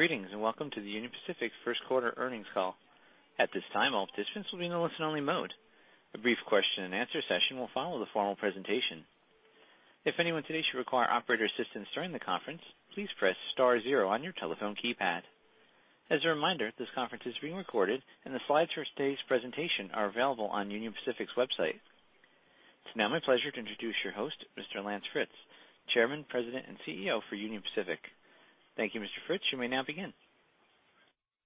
Greetings, welcome to the Union Pacific first quarter earnings call. At this time, all participants will be in a listen-only mode. A brief question-and-answer session will follow the formal presentation. If anyone today should require operator assistance during the conference, please press star zero on your telephone keypad. As a reminder, this conference is being recorded, and the slides for today's presentation are available on Union Pacific's website. It is now my pleasure to introduce your host, Mr. Lance Fritz, Chairman, President, and CEO for Union Pacific. Thank you, Mr. Fritz. You may now begin.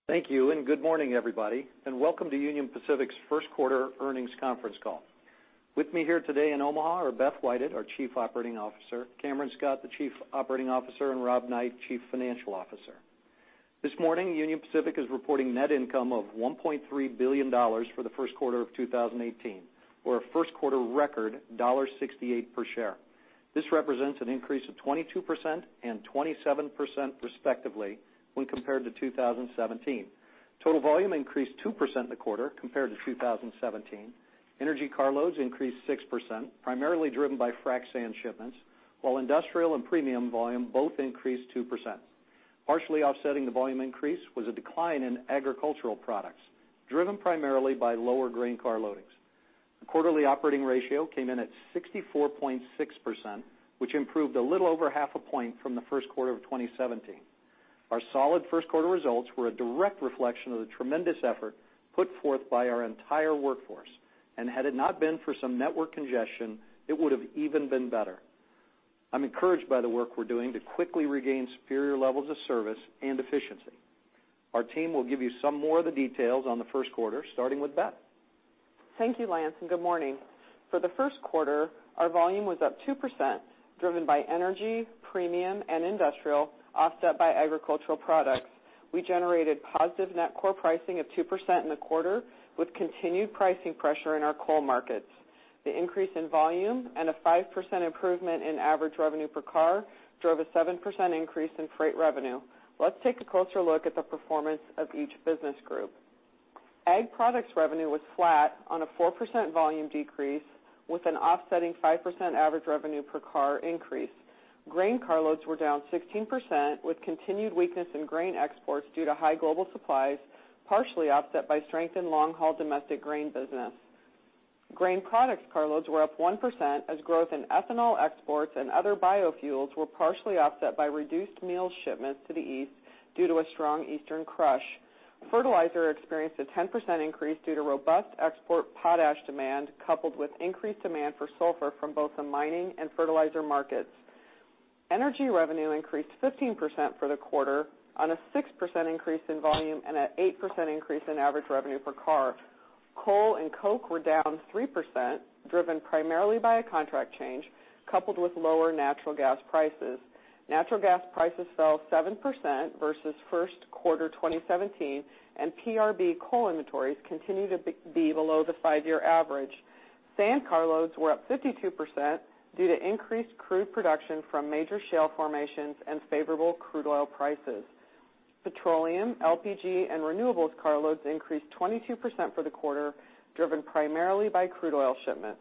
Thank you, good morning, everybody, welcome to Union Pacific's first quarter earnings conference call. With me here today in Omaha are Beth Whited, our Chief Operating Officer, Cameron Scott, the Chief Operating Officer, and Rob Knight, Chief Financial Officer. This morning, Union Pacific is reporting net income of $1.3 billion for the first quarter of 2018, or a first-quarter record $1.68 per share. This represents an increase of 22% and 27%, respectively, when compared to 2017. Total volume increased 2% in the quarter compared to 2017. Energy carloads increased 6%, primarily driven by frac sand shipments, while industrial and premium volume both increased 2%. Partially offsetting the volume increase was a decline in agricultural products, driven primarily by lower grain car loadings. The quarterly operating ratio came in at 64.6%, which improved a little over half a point from the first quarter of 2017. Our solid first-quarter results were a direct reflection of the tremendous effort put forth by our entire workforce. Had it not been for some network congestion, it would have even been better. I am encouraged by the work we are doing to quickly regain superior levels of service and efficiency. Our team will give you some more of the details on the first quarter, starting with Beth. Thank you, Lance, good morning. For the first quarter, our volume was up 2%, driven by energy, premium, and industrial, offset by agricultural products. We generated positive net core pricing of 2% in the quarter, with continued pricing pressure in our coal markets. The increase in volume and a 5% improvement in average revenue per car drove a 7% increase in freight revenue. Let us take a closer look at the performance of each business group. Ag products revenue was flat on a 4% volume decrease with an offsetting 5% average revenue per car increase. Grain carloads were down 16%, with continued weakness in grain exports due to high global supplies, partially offset by strength in long-haul domestic grain business. Grain products carloads were up 1% as growth in ethanol exports and other biofuels were partially offset by reduced meal shipments to the east due to a strong eastern crush. Fertilizer experienced a 10% increase due to robust export potash demand, coupled with increased demand for sulfur from both the mining and fertilizer markets. Energy revenue increased 15% for the quarter on a 6% increase in volume and an 8% increase in average revenue per car. Coal and coke were down 3%, driven primarily by a contract change, coupled with lower natural gas prices. Natural gas prices fell 7% versus first quarter 2017, and PRB coal inventories continue to be below the five-year average. Sand carloads were up 52% due to increased crude production from major shale formations and favorable crude oil prices. Petroleum, LPG, and renewables carloads increased 22% for the quarter, driven primarily by crude oil shipments.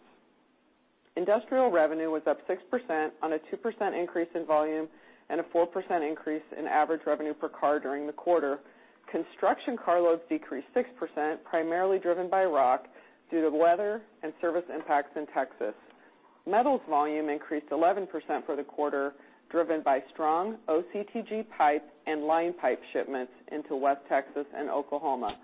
Industrial revenue was up 6% on a 2% increase in volume and a 4% increase in average revenue per car during the quarter. Construction carloads decreased 6%, primarily driven by rock due to weather and service impacts in Texas. Metals volume increased 11% for the quarter, driven by strong OCTG pipe and line pipe shipments into West Texas and Oklahoma.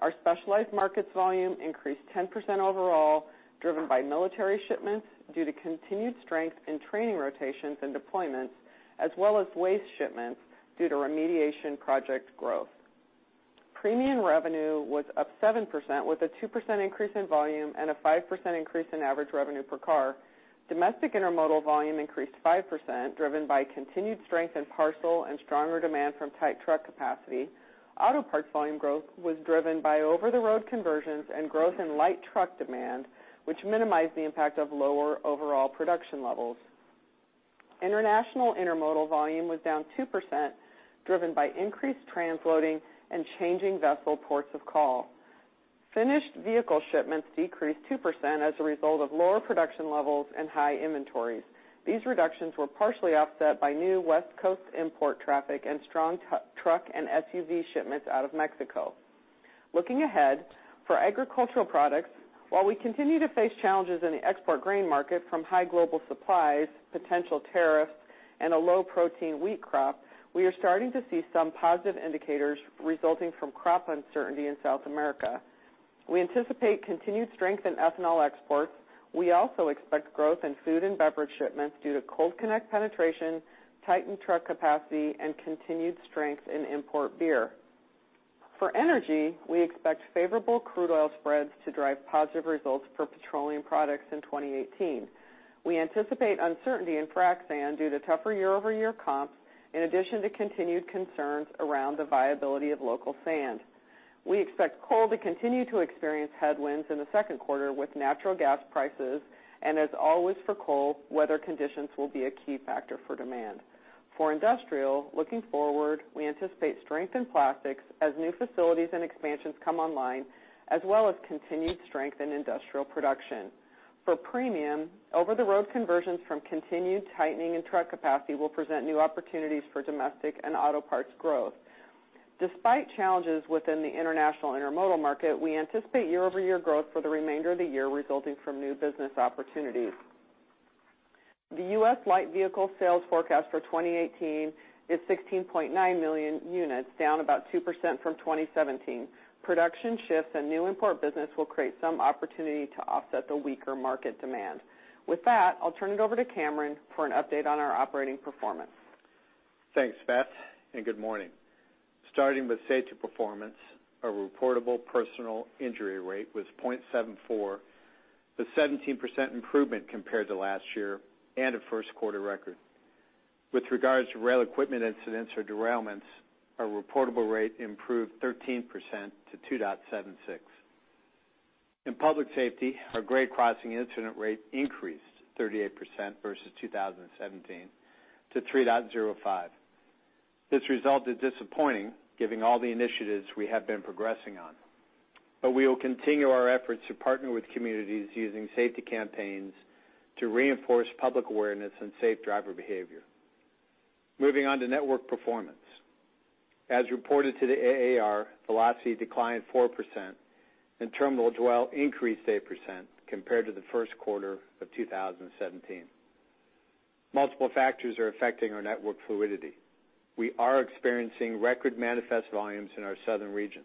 Our specialized markets volume increased 10% overall, driven by military shipments due to continued strength in training rotations and deployments, as well as waste shipments due to remediation project growth. Premium revenue was up 7% with a 2% increase in volume and a 5% increase in average revenue per car. Domestic intermodal volume increased 5%, driven by continued strength in parcel and stronger demand from tight truck capacity. Auto parts volume growth was driven by over-the-road conversions and growth in light truck demand, which minimized the impact of lower overall production levels. International intermodal volume was down 2%, driven by increased transloading and changing vessel ports of call. Finished vehicle shipments decreased 2% as a result of lower production levels and high inventories. These reductions were partially offset by new West Coast import traffic and strong truck and SUV shipments out of Mexico. Looking ahead, for agricultural products, while we continue to face challenges in the export grain market from high global supplies, potential tariffs, and a low-protein wheat crop, we are starting to see some positive indicators resulting from crop uncertainty in South America. We anticipate continued strength in ethanol exports. We also expect growth in food and beverage shipments due to Cold Connect penetration, tightened truck capacity, and continued strength in import beer. For energy, we expect favorable crude oil spreads to drive positive results for petroleum products in 2018. We anticipate uncertainty in frac sand due to tougher year-over-year comps, in addition to continued concerns around the viability of local sand. As always for coal, weather conditions will be a key factor for demand. For industrial, looking forward, we anticipate strength in plastics as new facilities and expansions come online, as well as continued strength in industrial production. For premium, over-the-road conversions from continued tightening in truck capacity will present new opportunities for domestic and auto parts growth. Despite challenges within the international intermodal market, we anticipate year-over-year growth for the remainder of the year resulting from new business opportunities. The U.S. light vehicle sales forecast for 2018 is 16.9 million units, down about 2% from 2017. Production shifts and new import business will create some opportunity to offset the weaker market demand. With that, I'll turn it over to Cameron for an update on our operating performance. Thanks, Beth, and good morning. Starting with safety performance, our reportable personal injury rate was 0.74, a 17% improvement compared to last year and a first quarter record. With regards to rail equipment incidents or derailments, our reportable rate improved 13% to 2.76. In public safety, our grade crossing incident rate increased 38% versus 2017 to 3.05. This result is disappointing given all the initiatives we have been progressing on. We will continue our efforts to partner with communities using safety campaigns to reinforce public awareness and safe driver behavior. Moving on to network performance. As reported to the AAR, velocity declined 4% and terminal dwell increased 8% compared to the first quarter of 2017. Multiple factors are affecting our network fluidity. We are experiencing record manifest volumes in our southern region.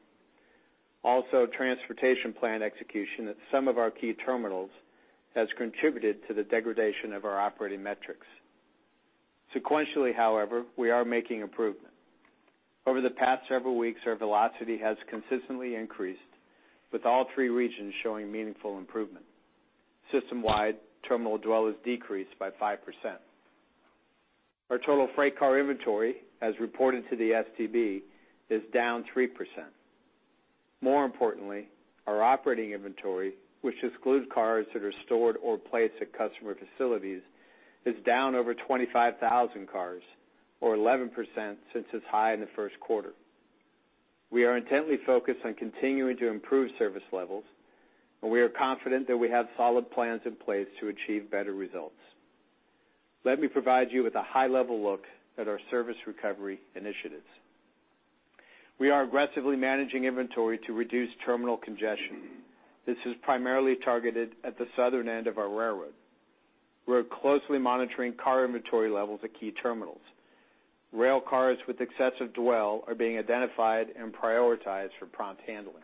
Transportation plan execution at some of our key terminals has contributed to the degradation of our operating metrics. Sequentially, however, we are making improvement. Over the past several weeks, our velocity has consistently increased, with all three regions showing meaningful improvement. System-wide, terminal dwell has decreased by 5%. Our total freight car inventory, as reported to the STB, is down 3%. More importantly, our operating inventory, which excludes cars that are stored or placed at customer facilities, is down over 25,000 cars or 11% since its high in the first quarter. We are intently focused on continuing to improve service levels, and we are confident that we have solid plans in place to achieve better results. Let me provide you with a high-level look at our service recovery initiatives. We are aggressively managing inventory to reduce terminal congestion. This is primarily targeted at the southern end of our railroad. We're closely monitoring car inventory levels at key terminals. Rail cars with excessive dwell are being identified and prioritized for prompt handling.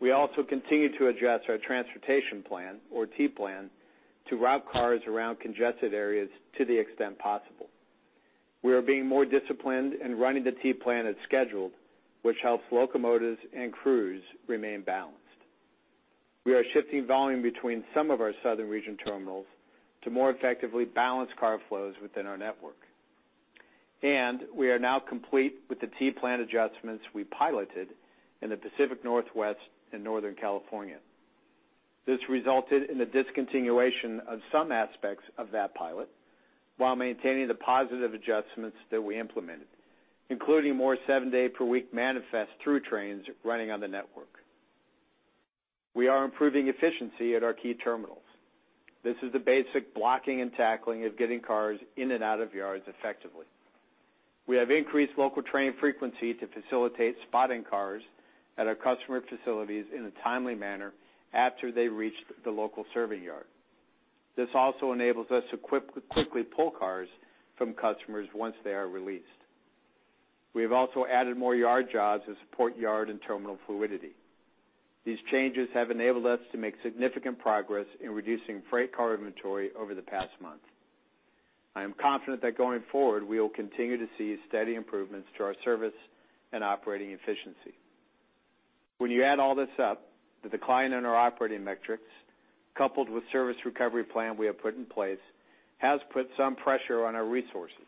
We also continue to address our transportation plan, or T-plan, to route cars around congested areas to the extent possible. We are being more disciplined in running the T-plan as scheduled, which helps locomotives and crews remain balanced. We are shifting volume between some of our southern region terminals to more effectively balance car flows within our network. We are now complete with the T-plan adjustments we piloted in the Pacific Northwest and Northern California. This resulted in the discontinuation of some aspects of that pilot while maintaining the positive adjustments that we implemented, including more seven-day per week manifest through trains running on the network. We are improving efficiency at our key terminals. This is the basic blocking and tackling of getting cars in and out of yards effectively. We have increased local train frequency to facilitate spotting cars at our customer facilities in a timely manner after they've reached the local serving yard. This also enables us to quickly pull cars from customers once they are released. We have also added more yard jobs to support yard and terminal fluidity. These changes have enabled us to make significant progress in reducing freight car inventory over the past month. I am confident that going forward, we will continue to see steady improvements to our service and operating efficiency. When you add all this up, the decline in our operating metrics, coupled with service recovery plan we have put in place, has put some pressure on our resources.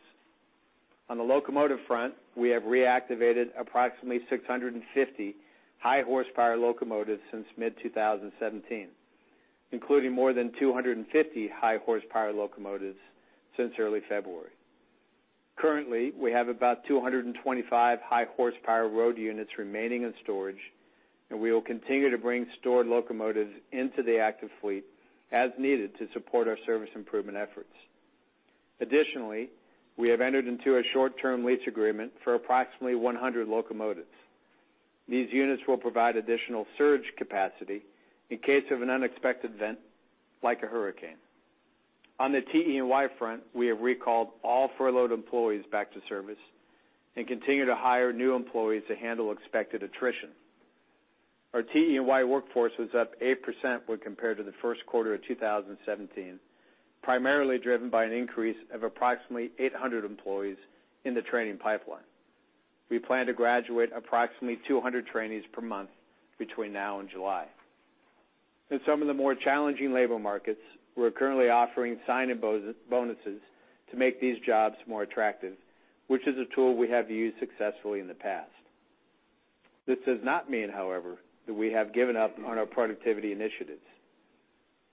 On the locomotive front, we have reactivated approximately 650 high-horsepower locomotives since mid-2017, including more than 250 high-horsepower locomotives since early February. Currently, we have about 225 high-horsepower road units remaining in storage, and we will continue to bring stored locomotives into the active fleet as needed to support our service improvement efforts. Additionally, we have entered into a short-term lease agreement for approximately 100 locomotives. These units will provide additional surge capacity in case of an unexpected event, like a hurricane. On the TE&Y front, we have recalled all furloughed employees back to service and continue to hire new employees to handle expected attrition. Our TE&Y workforce was up 8% when compared to the first quarter of 2017, primarily driven by an increase of approximately 800 employees in the training pipeline. We plan to graduate approximately 200 trainees per month between now and July. In some of the more challenging labor markets, we're currently offering sign-on bonuses to make these jobs more attractive, which is a tool we have used successfully in the past. This does not mean, however, that we have given up on our productivity initiatives.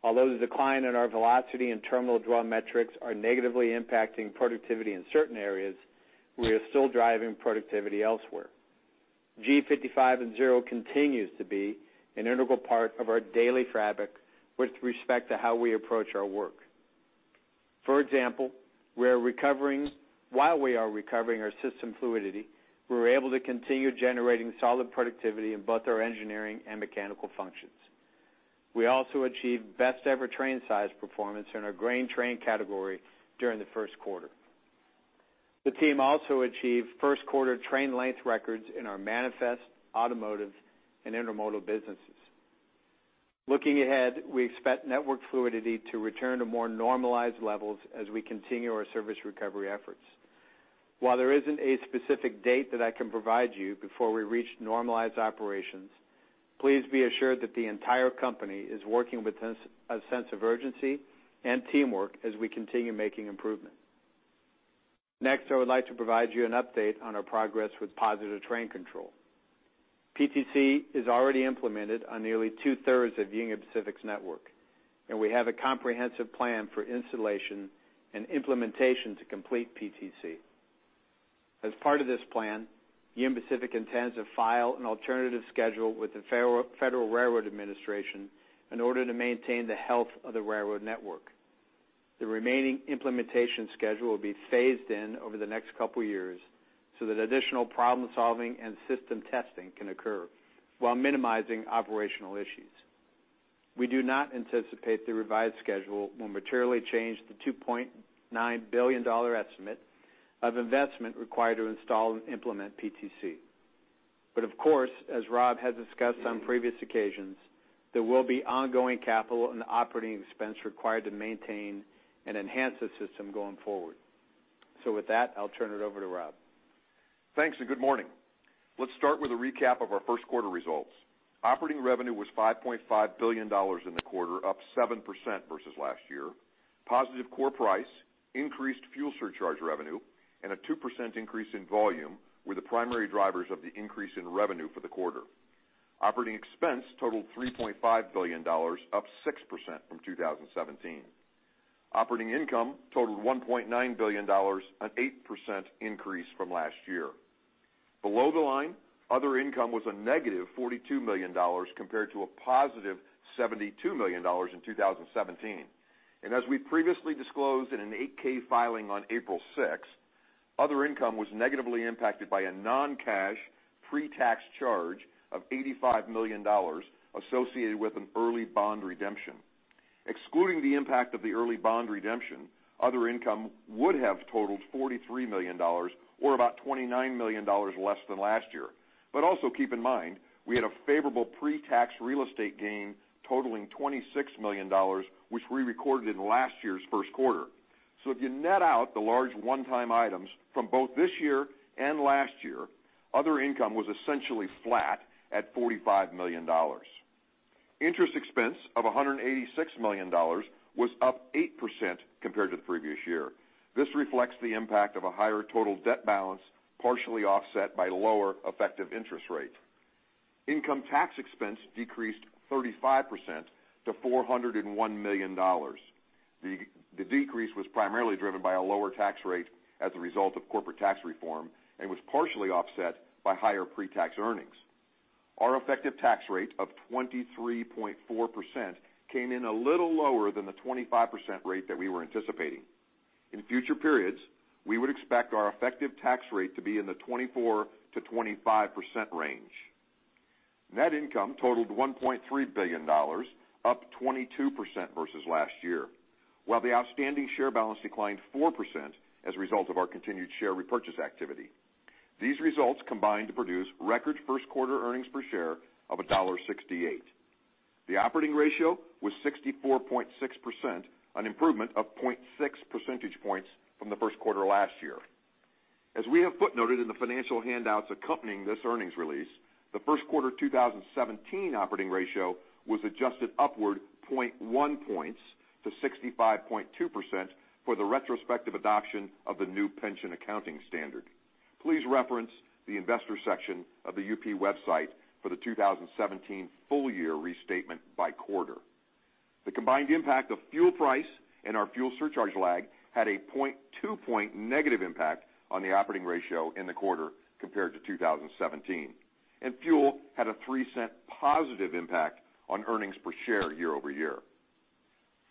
Although the decline in our velocity and terminal dwell metrics are negatively impacting productivity in certain areas, we are still driving productivity elsewhere. G55 + 0 continues to be an integral part of our daily fabric with respect to how we approach our work. For example, while we are recovering our system fluidity, we were able to continue generating solid productivity in both our engineering and mechanical functions. We also achieved best ever train size performance in our grain train category during the first quarter. The team also achieved first quarter train length records in our manifest, automotive, and intermodal businesses. Looking ahead, we expect network fluidity to return to more normalized levels as we continue our service recovery efforts. While there isn't a specific date that I can provide you before we reach normalized operations, please be assured that the entire company is working with a sense of urgency and teamwork as we continue making improvement. Next, I would like to provide you an update on our progress with Positive Train Control. PTC is already implemented on nearly two-thirds of Union Pacific's network, and we have a comprehensive plan for installation and implementation to complete PTC. As part of this plan, Union Pacific intends to file an alternative schedule with the Federal Railroad Administration in order to maintain the health of the railroad network. The remaining implementation schedule will be phased in over the next couple years so that additional problem-solving and system testing can occur while minimizing operational issues. We do not anticipate the revised schedule will materially change the $2.9 billion estimate of investment required to install and implement PTC. Of course, as Rob has discussed on previous occasions, there will be ongoing capital and operating expense required to maintain and enhance the system going forward. With that, I'll turn it over to Rob. Thanks. Good morning. Let's start with a recap of our first quarter results. Operating revenue was $5.5 billion in the quarter, up 7% versus last year. Positive core price, increased fuel surcharge revenue, and a 2% increase in volume were the primary drivers of the increase in revenue for the quarter. Operating expense totaled $3.5 billion, up 6% from 2017. Operating income totaled $1.9 billion, an 8% increase from last year. Below the line, other income was a negative $42 million, compared to a positive $72 million in 2017. As we previously disclosed in an 8-K filing on April 6, other income was negatively impacted by a non-cash pre-tax charge of $85 million associated with an early bond redemption. Excluding the impact of the early bond redemption, other income would have totaled $43 million, or about $29 million less than last year. Also keep in mind, we had a favorable pre-tax real estate gain totaling $26 million, which we recorded in last year's first quarter. If you net out the large one-time items from both this year and last year, other income was essentially flat at $45 million. Interest expense of $186 million was up 8% compared to the previous year. This reflects the impact of a higher total debt balance, partially offset by lower effective interest rate. Income tax expense decreased 35% to $401 million. The decrease was primarily driven by a lower tax rate as a result of corporate tax reform and was partially offset by higher pre-tax earnings. Our effective tax rate of 23.4% came in a little lower than the 25% rate that we were anticipating. In future periods, we would expect our effective tax rate to be in the 24%-25% range. Net income totaled $1.3 billion, up 22% versus last year, while the outstanding share balance declined 4% as a result of our continued share repurchase activity. These results combined to produce record first quarter earnings per share of $1.68. The operating ratio was 64.6%, an improvement of 0.6 percentage points from the first quarter last year. As we have footnoted in the financial handouts accompanying this earnings release, the first quarter 2017 operating ratio was adjusted upward 0.1 points to 65.2% for the retrospective adoption of the new pension accounting standard. Please reference the investor section of the UP website for the 2017 full year restatement by quarter. The combined impact of fuel price and our fuel surcharge lag had a 0.2 point negative impact on the operating ratio in the quarter compared to 2017, and fuel had a $0.03 positive impact on earnings per share year-over-year.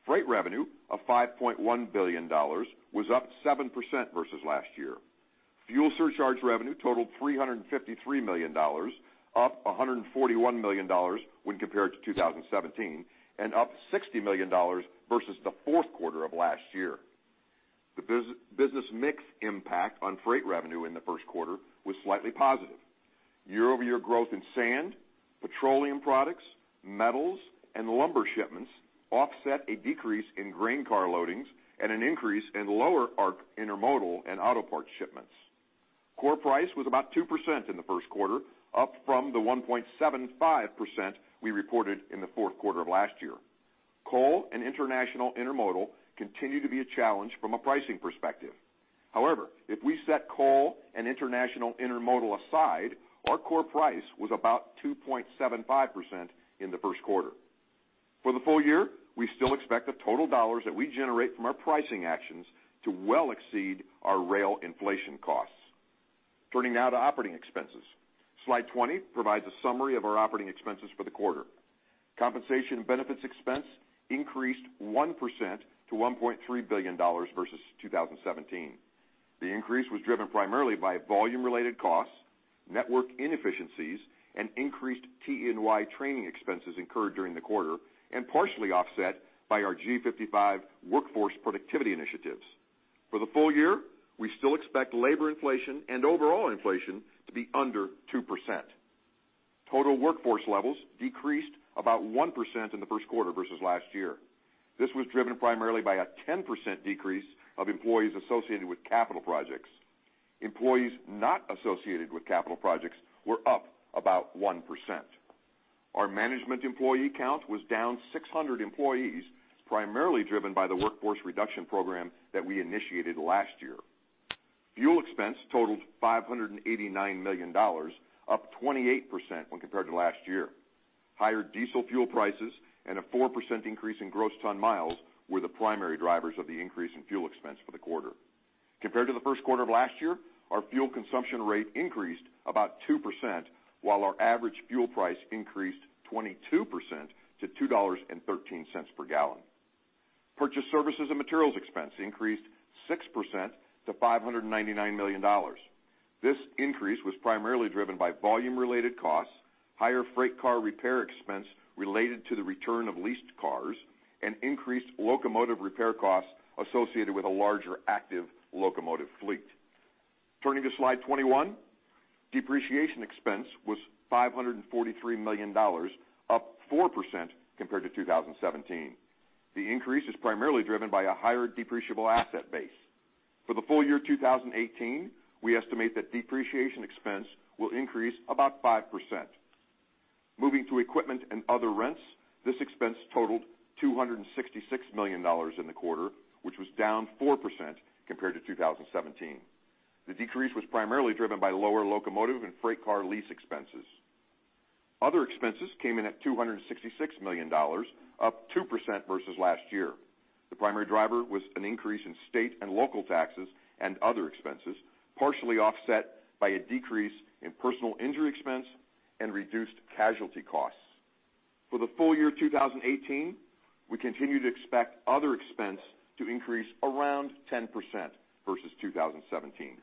Freight revenue of $5.1 billion was up 7% versus last year. Fuel surcharge revenue totaled $353 million, up $141 million when compared to 2017, and up $60 million versus the fourth quarter of last year. The business mix impact on freight revenue in the first quarter was slightly positive. Year-over-year growth in sand, petroleum products, metals, and lumber shipments offset a decrease in grain car loadings and an increase in lower intermodal and auto parts shipments. Core price was about 2% in the first quarter, up from the 1.75% we reported in the fourth quarter of last year. Coal and international intermodal continue to be a challenge from a pricing perspective. However, if we set coal and international intermodal aside, our core price was about 2.75% in the first quarter. For the full year, we still expect the total dollars that we generate from our pricing actions to well exceed our rail inflation costs. Turning now to operating expenses. Slide 20 provides a summary of our operating expenses for the quarter. Compensation benefits expense increased 1% to $1.3 billion versus 2017. The increase was driven primarily by volume-related costs, network inefficiencies, and increased TE&Y training expenses incurred during the quarter, and partially offset by our G55 workforce productivity initiatives. For the full year, we still expect labor inflation and overall inflation to be under 2%. Total workforce levels decreased about 1% in the first quarter versus last year. This was driven primarily by a 10% decrease of employees associated with capital projects. Employees not associated with capital projects were up about 1%. Our management employee count was down 600 employees, primarily driven by the workforce reduction program that we initiated last year. Fuel expense totaled $589 million, up 28% when compared to last year. Higher diesel fuel prices and a 4% increase in gross ton miles were the primary drivers of the increase in fuel expense for the quarter. Compared to the first quarter of last year, our fuel consumption rate increased about 2%, while our average fuel price increased 22% to $2.13 per gallon. Purchase services and materials expense increased 6% to $599 million. This increase was primarily driven by volume-related costs, higher freight car repair expense related to the return of leased cars, and increased locomotive repair costs associated with a larger active locomotive fleet. Turning to Slide 21. Depreciation expense was $543 million, up 4% compared to 2017. The increase is primarily driven by a higher depreciable asset base. For the full year 2018, we estimate that depreciation expense will increase about 5%. Moving to equipment and other rents, this expense totaled $266 million in the quarter, which was down 4% compared to 2017. The decrease was primarily driven by lower locomotive and freight car lease expenses. Other expenses came in at $266 million, up 2% versus last year. The primary driver was an increase in state and local taxes and other expenses, partially offset by a decrease in personal injury expense and reduced casualty costs. For the full year 2018, we continue to expect other expense to increase around 10% versus 2017.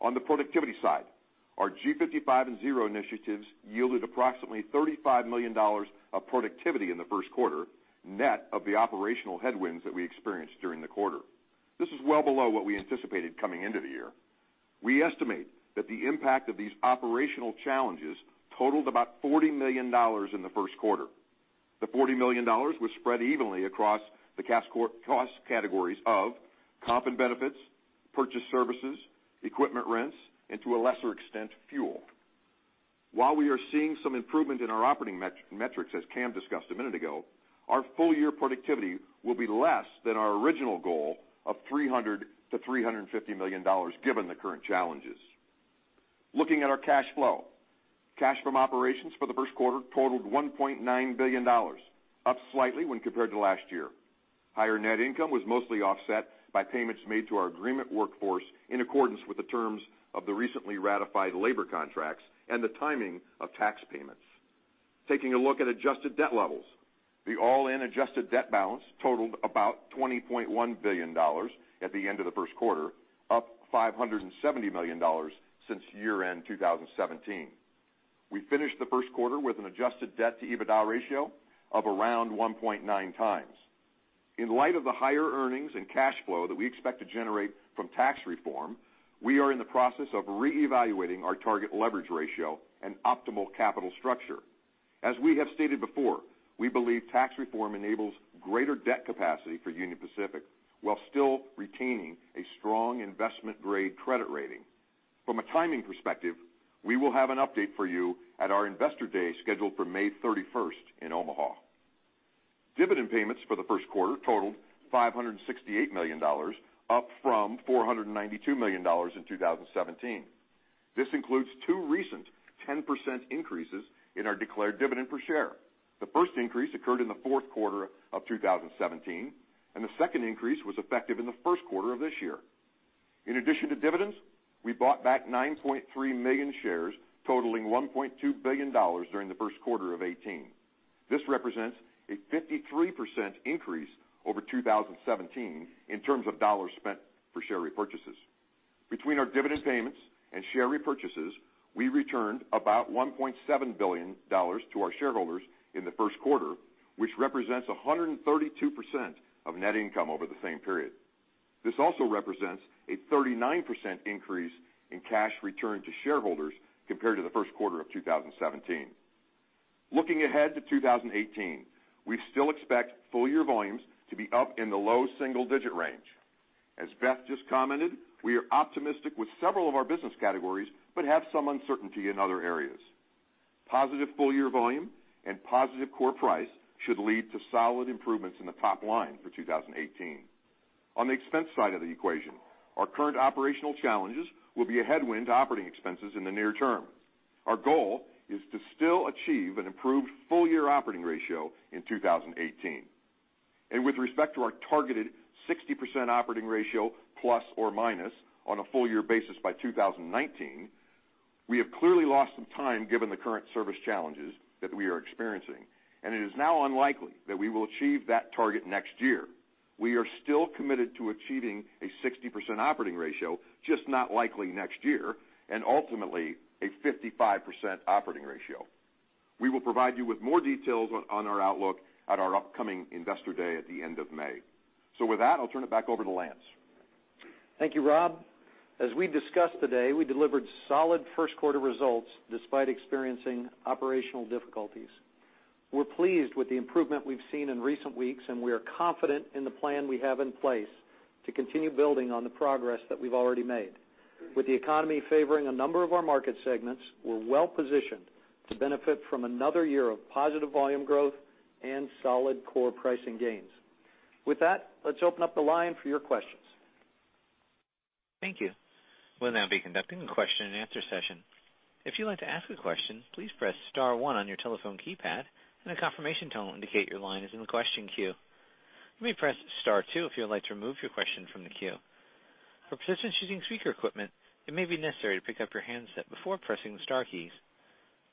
On the productivity side, our G55 + 0 initiatives yielded approximately $35 million of productivity in the first quarter, net of the operational headwinds that we experienced during the quarter. This is well below what we anticipated coming into the year. We estimate that the impact of these operational challenges totaled about $40 million in the first quarter. The $40 million was spread evenly across the cost categories of comp and benefits, purchase services, equipment rents, and to a lesser extent, fuel. While we are seeing some improvement in our operating metrics, as Cam discussed a minute ago, our full-year productivity will be less than our original goal of $300 million-$350 million, given the current challenges. Looking at our cash flow. Cash from operations for the first quarter totaled $1.9 billion, up slightly when compared to last year. Higher net income was mostly offset by payments made to our agreement workforce in accordance with the terms of the recently ratified labor contracts and the timing of tax payments. Taking a look at adjusted debt levels. The all-in adjusted debt balance totaled about $20.1 billion at the end of the first quarter, up $570 million since year-end 2017. We finished the first quarter with an adjusted debt-to-EBITDA ratio of around 1.9 times. In light of the higher earnings and cash flow that we expect to generate from tax reform, we are in the process of re-evaluating our target leverage ratio and optimal capital structure. As we have stated before, we believe tax reform enables greater debt capacity for Union Pacific while still retaining a strong investment-grade credit rating. From a timing perspective, we will have an update for you at our Investor Day scheduled for May 31st in Omaha. Dividend payments for the first quarter totaled $568 million, up from $492 million in 2017. This includes two recent 10% increases in our declared dividend per share. The first increase occurred in the fourth quarter of 2017, the second increase was effective in the first quarter of this year. In addition to dividends, we bought back 9.3 million shares totaling $1.2 billion during the first quarter of 2018. This represents a 53% increase over 2017 in terms of dollars spent for share repurchases. Between our dividend payments and share repurchases, we returned about $1.7 billion to our shareholders in the first quarter, which represents 132% of net income over the same period. This also represents a 39% increase in cash returned to shareholders compared to the first quarter of 2017. Looking ahead to 2018, we still expect full-year volumes to be up in the low single-digit range. As Beth just commented, we are optimistic with several of our business categories but have some uncertainty in other areas. Positive full-year volume and positive core price should lead to solid improvements in the top line for 2018. On the expense side of the equation, our current operational challenges will be a headwind to operating expenses in the near term. Our goal is to still achieve an improved full-year operating ratio in 2018. With respect to our targeted 60% operating ratio ± on a full-year basis by 2019, we have clearly lost some time given the current service challenges that we are experiencing, and it is now unlikely that we will achieve that target next year. We are still committed to achieving a 60% operating ratio, just not likely next year, and ultimately, a 55% operating ratio. We will provide you with more details on our outlook at our upcoming Investor Day at the end of May. With that, I'll turn it back over to Lance. Thank you, Rob. As we discussed today, we delivered solid first quarter results despite experiencing operational difficulties. We're pleased with the improvement we've seen in recent weeks, and we are confident in the plan we have in place to continue building on the progress that we've already made. With the economy favoring a number of our market segments, we're well-positioned to benefit from another year of positive volume growth and solid core pricing gains. With that, let's open up the line for your questions. Thank you. We'll now be conducting a question and answer session. If you'd like to ask a question, please press * one on your telephone keypad, and a confirmation tone will indicate your line is in the question queue. You may press * two if you would like to remove your question from the queue. For participants using speaker equipment, it may be necessary to pick up your handset before pressing the star keys.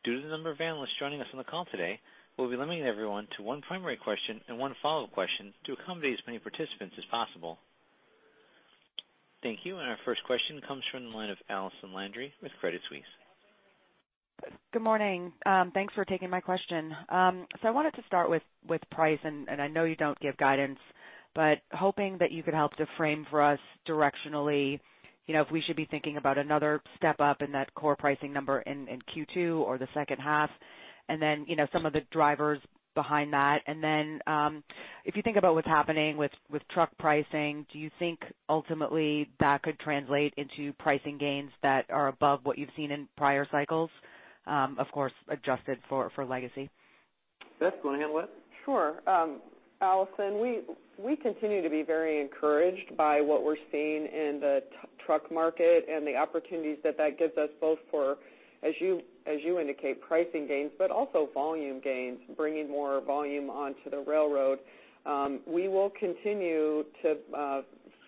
Due to the number of analysts joining us on the call today, we'll be limiting everyone to one primary question and one follow-up question to accommodate as many participants as possible. Thank you. Our first question comes from the line of Allison Landry with Credit Suisse. Good morning. Thanks for taking my question. I wanted to start with price, I know you don't give guidance, but hoping that you could help to frame for us directionally, if we should be thinking about another step up in that core pricing number in Q2 or the second half, some of the drivers behind that. If you think about what's happening with truck pricing, do you think ultimately that could translate into pricing gains that are above what you've seen in prior cycles, of course, adjusted for legacy? Beth, do you want to handle that? Sure. Allison, we continue to be very encouraged by what we're seeing in the truck market and the opportunities that that gives us both for, as you indicate, pricing gains, also volume gains, bringing more volume onto the railroad. We will continue to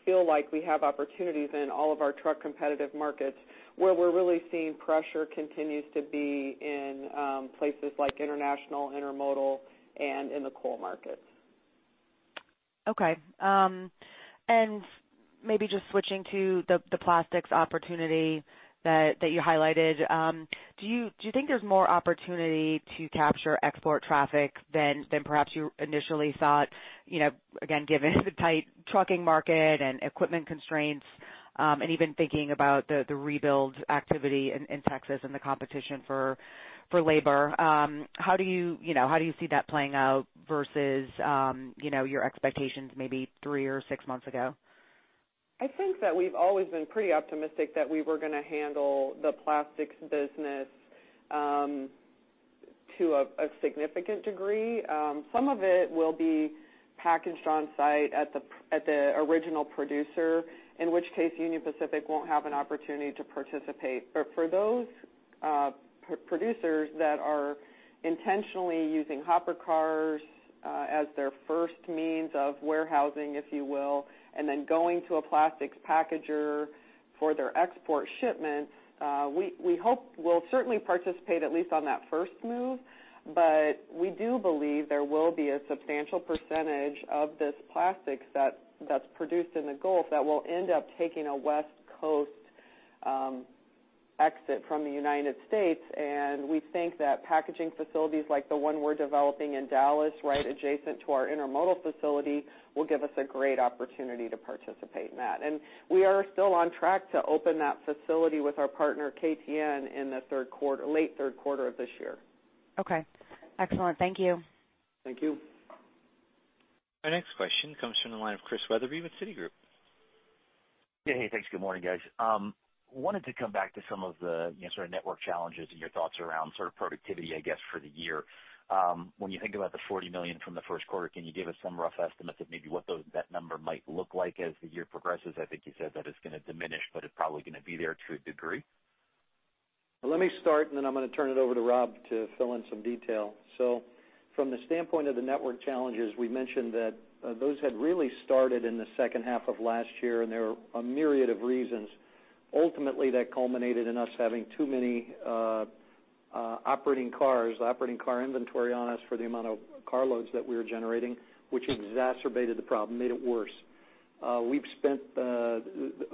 feel like we have opportunities in all of our truck competitive markets where we're really seeing pressure continues to be in places like international, intermodal, and in the coal markets. Okay. Maybe just switching to the plastics opportunity that you highlighted, do you think there's more opportunity to capture export traffic than perhaps you initially thought, again, given the tight trucking market and equipment constraints, even thinking about the rebuild activity in Texas and the competition for labor. How do you see that playing out versus your expectations maybe three or six months ago? I think that we've always been pretty optimistic that we were going to handle the plastics business to a significant degree. Some of it will be packaged on site at the original producer, in which case Union Pacific won't have an opportunity to participate. For those producers that are intentionally using hopper cars as their first means of warehousing, if you will, then going to a plastics packager for their export shipment, we hope we'll certainly participate at least on that first move, we do believe there will be a substantial percentage of this plastics that's produced in the Gulf that will end up taking a West Coast exit from the United States, and we think that packaging facilities like the one we're developing in Dallas, right adjacent to our intermodal facility, will give us a great opportunity to participate in that. We are still on track to open that facility with our partner, KTN, in the late third quarter of this year. Okay. Excellent. Thank you. Thank you. Our next question comes from the line of Chris Wetherbee with Citigroup. Hey, thanks. Good morning, guys. Wanted to come back to some of the sort of network challenges and your thoughts around sort of productivity, I guess, for the year. When you think about the $40 million from the first quarter, can you give us some rough estimates of maybe what that number might look like as the year progresses? I think you said that it's going to diminish, but it's probably going to be there to a degree. Let me start, and then I'm going to turn it over to Rob to fill in some detail. From the standpoint of the network challenges, we mentioned that those had really started in the second half of last year, and there were a myriad of reasons, ultimately, that culminated in us having too many operating cars, operating car inventory on us for the amount of car loads that we were generating, which exacerbated the problem, made it worse. We've spent a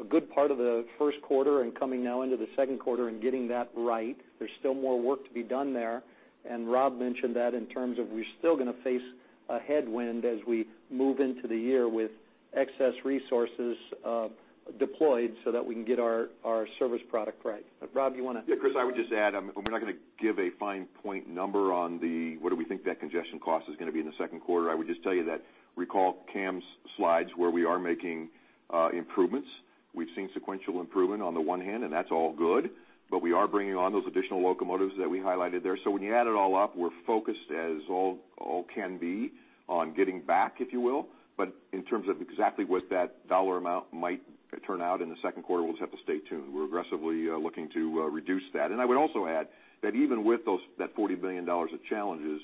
good part of the first quarter and coming now into the second quarter and getting that right. There's still more work to be done there, and Rob mentioned that in terms of we're still going to face a headwind as we move into the year with excess resources deployed so that we can get our service product right. Rob, you want to- Chris, I would just add, we're not going to give a fine point number on what do we think that congestion cost is going to be in the second quarter. I would just tell you that recall Cam's slides where we are making improvements. We've seen sequential improvement on the one hand, and that's all good, but we are bringing on those additional locomotives that we highlighted there. When you add it all up, we're focused as all can be on getting back, if you will. In terms of exactly what that dollar amount might turn out in the second quarter, we'll just have to stay tuned. We're aggressively looking to reduce that. I would also add that even with that $40 billion of challenges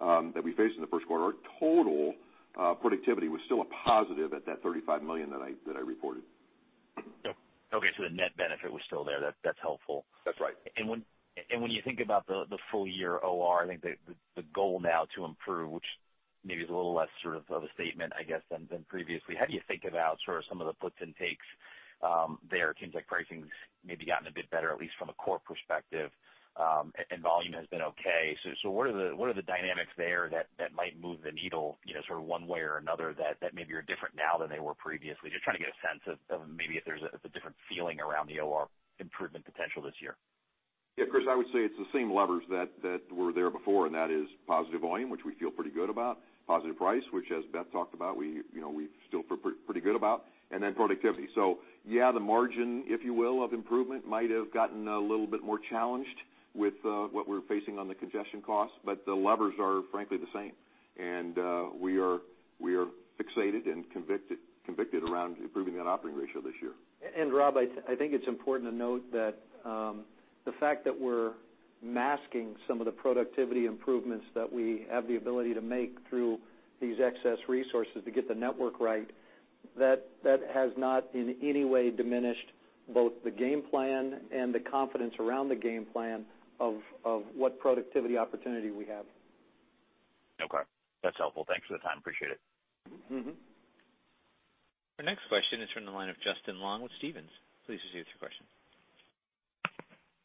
that we faced in the first quarter, our total productivity was still a positive at that $35 million that I reported. Okay, the net benefit was still there. That's helpful. That's right. When you think about the full year OR, I think the goal now to improve, which maybe is a little less sort of a statement, I guess, than previously, how do you think about some of the puts and takes there? It seems like pricing's maybe gotten a bit better, at least from a core perspective, and volume has been okay. What are the dynamics there that might move the needle, sort of one way or another that maybe are different now than they were previously? Just trying to get a sense of maybe if there's a different feeling around the OR improvement potential this year. Yeah, Chris, I would say it's the same levers that were there before, and that is positive volume, which we feel pretty good about, positive price, which as Beth talked about, we feel pretty good about, and then productivity. Yeah, the margin, if you will, of improvement might have gotten a little bit more challenged with what we're facing on the congestion cost, the levers are frankly the same. We are fixated and convicted around improving that operating ratio this year. Rob, I think it's important to note that the fact that we're masking some of the productivity improvements that we have the ability to make through these excess resources to get the network right, that has not in any way diminished both the game plan and the confidence around the game plan of what productivity opportunity we have. Okay. That's helpful. Thanks for the time. Appreciate it. Our next question is from the line of Justin Long with Stephens. Please proceed with your question.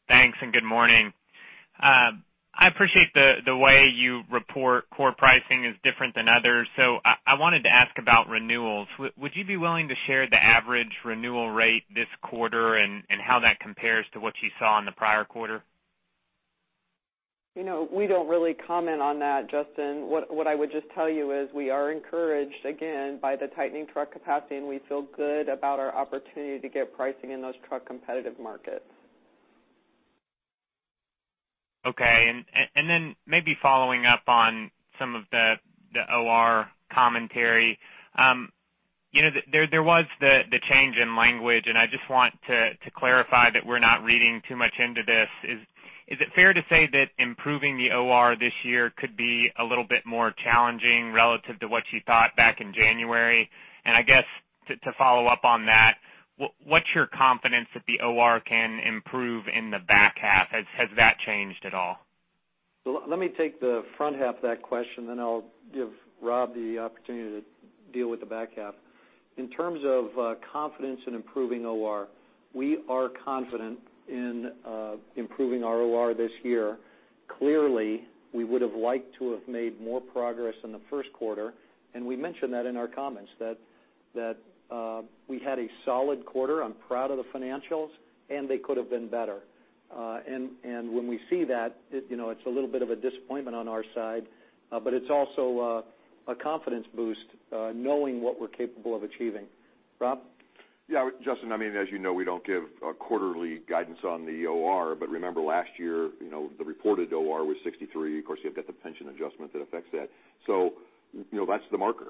Thanks. Good morning. I appreciate the way you report core pricing is different than others. I wanted to ask about renewals. Would you be willing to share the average renewal rate this quarter and how that compares to what you saw in the prior quarter? We don't really comment on that, Justin. What I would just tell you is we are encouraged, again, by the tightening truck capacity, and we feel good about our opportunity to get pricing in those truck competitive markets. Okay. Maybe following up on some of the OR commentary. There was the change in language, and I just want to clarify that we're not reading too much into this. Is it fair to say that improving the OR this year could be a little bit more challenging relative to what you thought back in January? I guess to follow up on that, what's your confidence that the OR can improve in the back half? Has that changed at all? Let me take the front half of that question, I'll give Rob the opportunity to deal with the back half. In terms of confidence in improving OR, we are confident in improving our OR this year. Clearly, we would have liked to have made more progress in the first quarter, we mentioned that in our comments, that we had a solid quarter. I'm proud of the financials, they could have been better. When we see that, it's a little bit of a disappointment on our side, but it's also a confidence boost knowing what we're capable of achieving. Rob? Yeah, Justin, as you know, we don't give quarterly guidance on the OR, remember last year, the reported OR was 63. Of course, you have got the pension adjustment that affects that. That's the marker.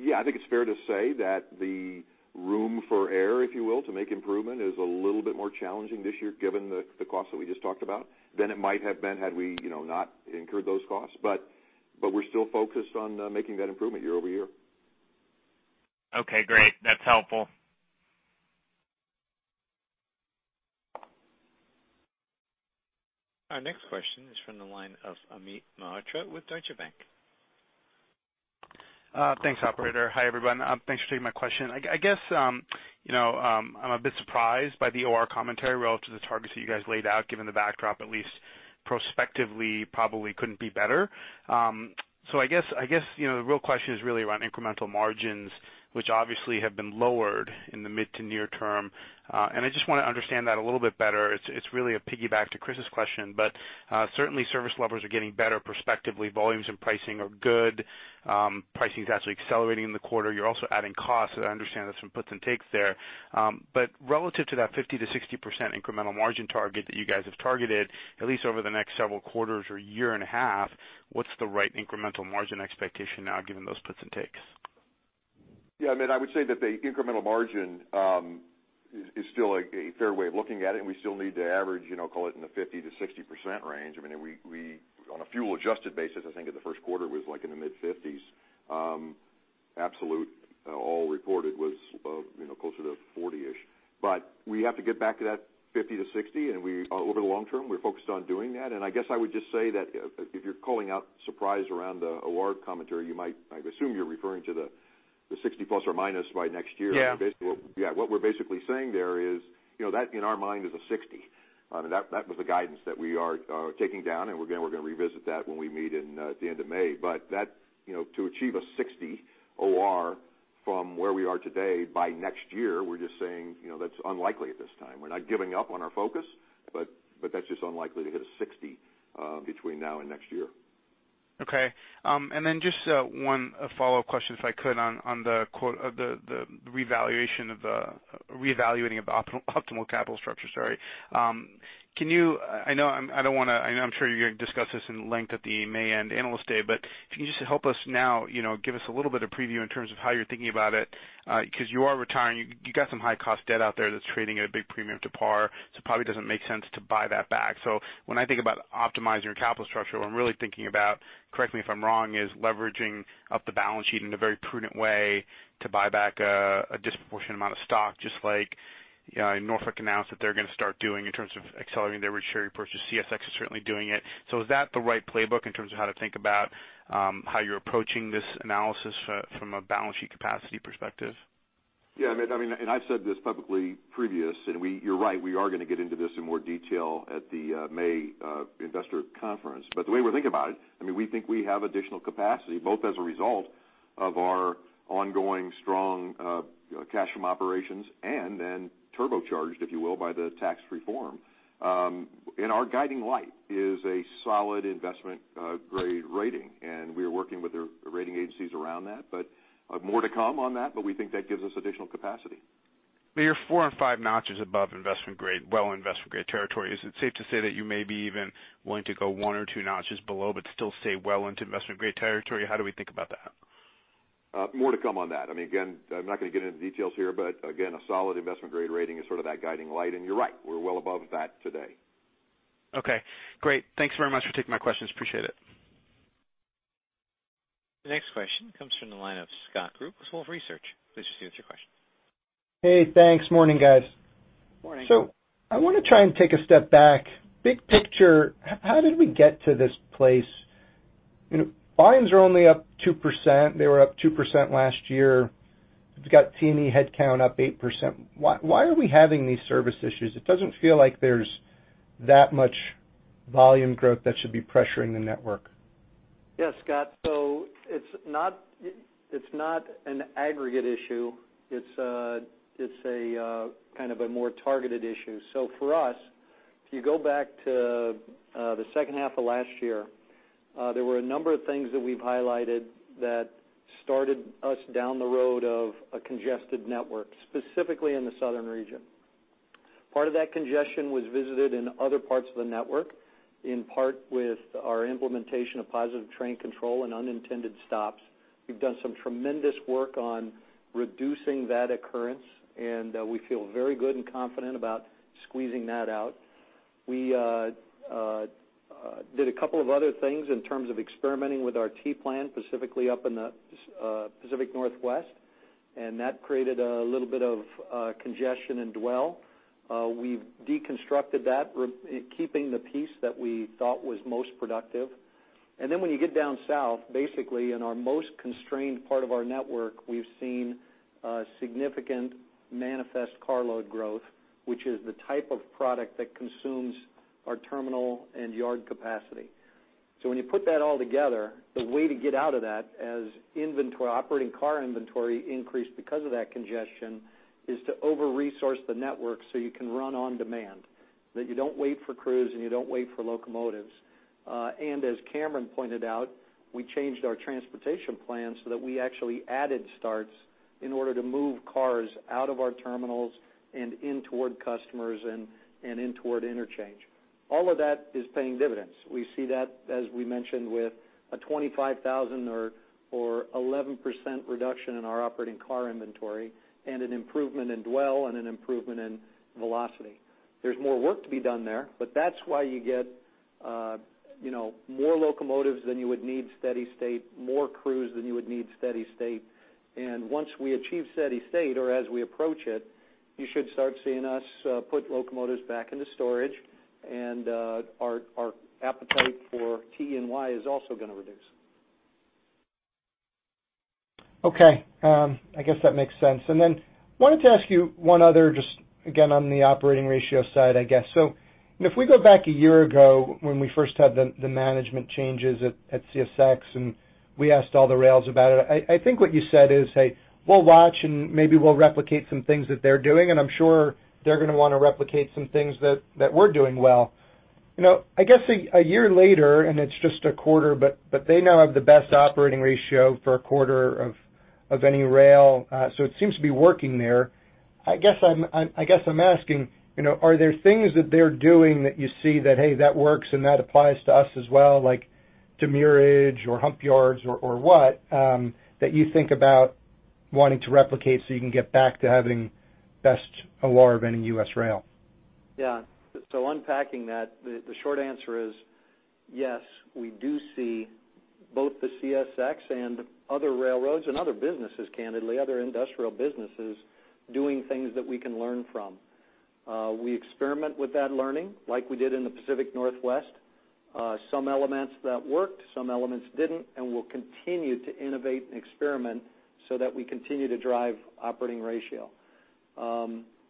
Yeah, I think it's fair to say that the room for error, if you will, to make improvement is a little bit more challenging this year given the cost that we just talked about, than it might have been had we not incurred those costs. We're still focused on making that improvement year-over-year. Okay, great. That's helpful. Our next question is from the line of Amit Mehrotra with Deutsche Bank. Thanks, operator. Hi, everyone. Thanks for taking my question. I guess, I'm a bit surprised by the OR commentary relative to the targets that you guys laid out, given the backdrop, at least prospectively, probably couldn't be better. I guess, the real question is really around incremental margins, which obviously have been lowered in the mid to near term. I just want to understand that a little bit better. It's really a piggyback to Chris's question, but certainly service levels are getting better prospectively, volumes and pricing are good. Pricing's actually accelerating in the quarter. You're also adding costs, so I understand there's some puts and takes there. Relative to that 50%-60% incremental margin target that you guys have targeted, at least over the next several quarters or 1.5 years, what's the right incremental margin expectation now given those puts and takes? Yeah, Amit, I would say that the incremental margin is still a fair way of looking at it, and we still need to average, call it in the 50%-60% range. On a fuel adjusted basis, I think in the first quarter it was like in the mid-50s. Absolute all reported was closer to 40-ish. We have to get back to that 50-60 and over the long term, we're focused on doing that. I guess I would just say that if you're calling out surprise around the OR commentary, I assume you're referring to the 60 ± by next year. Yeah. What we're basically saying there is that in our mind is a 60. That was the guidance that we are taking down, and again, we're going to revisit that when we meet at the May-end. But to achieve a 60 OR from where we are today by next year, we're just saying that's unlikely at this time. We're not giving up on our focus, but that's just unlikely to hit a 60 between now and next year. Okay. Just one follow-up question, if I could, on the reevaluating of the optimal capital structure. I know I'm sure you're going to discuss this in length at the May-end Analyst Day, but if you can just help us now, give us a little bit of preview in terms of how you're thinking about it because you are retiring, you got some high cost debt out there that's trading at a big premium to par, so it probably doesn't make sense to buy that back. When I think about optimizing your capital structure, what I'm really thinking about, correct me if I'm wrong, is leveraging up the balance sheet in a very prudent way to buy back a disproportionate amount of stock, just like Norfolk announced that they're going to start doing in terms of accelerating their share repurchase. CSX is certainly doing it. Is that the right playbook in terms of how to think about how you're approaching this analysis from a balance sheet capacity perspective? Yeah, I've said this publicly previous, you're right, we are going to get into this in more detail at the May Investor Conference. The way we're thinking about it, we think we have additional capacity both as a result of our ongoing strong cash from operations turbocharged, if you will, by the tax reform. Our guiding light is a solid investment grade rating, we are working with the rating agencies around that, more to come on that. We think that gives us additional capacity. You're four or five notches above investment grade, well investment grade territory. Is it safe to say that you may be even willing to go one or two notches below but still stay well into investment grade territory? How do we think about that? More to come on that. Again, I'm not going to get into details here, again, a solid investment grade rating is sort of that guiding light. You're right, we're well above that today. Okay, great. Thanks very much for taking my questions. Appreciate it. The next question comes from the line of Scott Group with Wolfe Research. Please proceed with your question. Hey, thanks. Morning, guys. Morning. I want to try and take a step back. Big picture, how did we get to this place? Volumes are only up 2%. They were up 2% last year. We've got T&E headcount up 8%. Why are we having these service issues? It doesn't feel like there's that much volume growth that should be pressuring the network. Scott, it's not an aggregate issue. It's a kind of a more targeted issue. For us, if you go back to the second half of last year, there were a number of things that we've highlighted that started us down the road of a congested network, specifically in the southern region. Part of that congestion was visited in other parts of the network, in part with our implementation of Positive Train Control and unintended stops. We've done some tremendous work on reducing that occurrence, and we feel very good and confident about squeezing that out. We did a couple of other things in terms of experimenting with our T-plan, specifically up in the Pacific Northwest, and that created a little bit of congestion and dwell. We've deconstructed that, keeping the piece that we thought was most productive. When you get down south, basically in our most constrained part of our network, we've seen significant manifest carload growth, which is the type of product that consumes our terminal and yard capacity. When you put that all together, the way to get out of that as operating car inventory increased because of that congestion, is to over-resource the network so you can run on demand, that you don't wait for crews and you don't wait for locomotives. As Cameron pointed out, we changed our transportation plan so that we actually added starts in order to move cars out of our terminals and in toward customers and in toward interchange. All of that is paying dividends. We see that, as we mentioned, with a 25,000 or 11% reduction in our operating car inventory and an improvement in dwell and an improvement in velocity. There's more work to be done there, that's why you get more locomotives than you would need steady state, more crews than you would need steady state. Once we achieve steady state or as we approach it, you should start seeing us put locomotives back into storage and our appetite for TE&Y is also going to reduce. Okay, I guess that makes sense. Wanted to ask you one other just again on the operating ratio side, I guess. If we go back a year ago when we first had the management changes at CSX and we asked all the rails about it, I think what you said is, "Hey, we'll watch and maybe we'll replicate some things that they're doing, and I'm sure they're going to want to replicate some things that we're doing well." I guess a year later, and it's just a quarter, but they now have the best operating ratio for a quarter of any rail, it seems to be working there. I guess I'm asking, are there things that they're doing that you see that, hey, that works and that applies to us as well, like demurrage or hump yards or what, that you think about wanting to replicate so you can get back to having best OR of any U.S. rail? Yeah. Unpacking that, the short answer is yes, we do see both the CSX and other railroads and other businesses, candidly, other industrial businesses, doing things that we can learn from. We experiment with that learning like we did in the Pacific Northwest. Some elements that worked, some elements didn't, we'll continue to innovate and experiment so that we continue to drive operating ratio.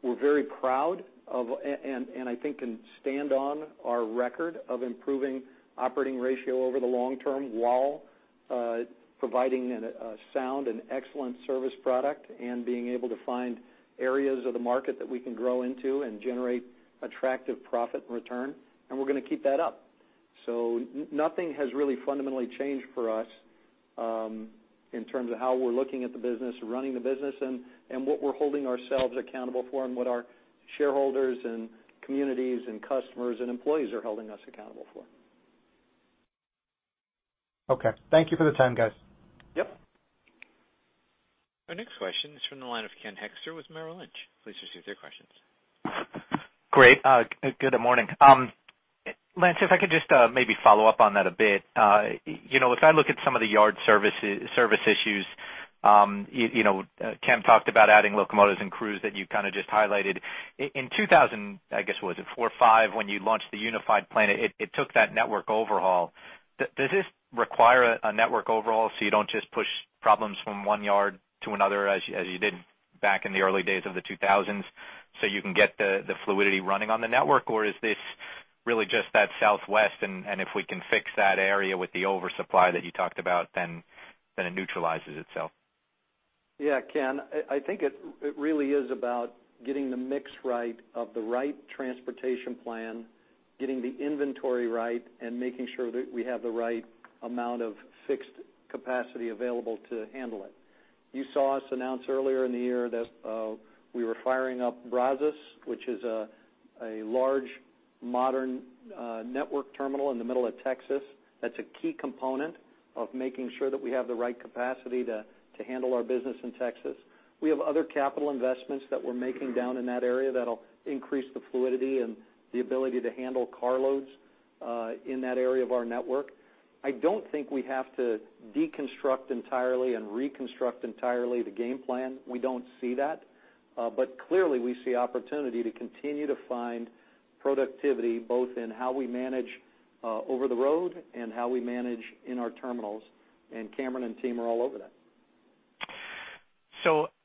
We're very proud of and I think can stand on our record of improving operating ratio over the long term while Providing a sound and excellent service product and being able to find areas of the market that we can grow into and generate attractive profit and return, we're going to keep that up. Nothing has really fundamentally changed for us in terms of how we're looking at the business, running the business, and what we're holding ourselves accountable for, and what our shareholders and communities and customers and employees are holding us accountable for. Okay. Thank you for the time, guys. Yep. Our next question is from the line of Ken Hoexter with Merrill Lynch. Please proceed with your questions. Great. Good morning. Lance, if I could just maybe follow up on that a bit. If I look at some of the yard service issues, Cam talked about adding locomotives and crews that you kind of just highlighted. In 2000, I guess, was it 2004, 2005, when you launched the Unified Plan, it took that network overhaul. Does this require a network overhaul so you don't just push problems from one yard to another as you did back in the early days of the 2000s, so you can get the fluidity running on the network? Or is this really just that Southwest, and if we can fix that area with the oversupply that you talked about, then it neutralizes itself? Yeah, Ken, I think it really is about getting the mix right of the right transportation plan, getting the inventory right, and making sure that we have the right amount of fixed capacity available to handle it. You saw us announce earlier in the year that we were firing up Brazos, which is a large, modern network terminal in the middle of Texas. That's a key component of making sure that we have the right capacity to handle our business in Texas. We have other capital investments that we're making down in that area that'll increase the fluidity and the ability to handle car loads in that area of our network. I don't think we have to deconstruct entirely and reconstruct entirely the game plan. We don't see that. Clearly, we see opportunity to continue to find productivity, both in how we manage over the road and how we manage in our terminals, and Cameron and team are all over that.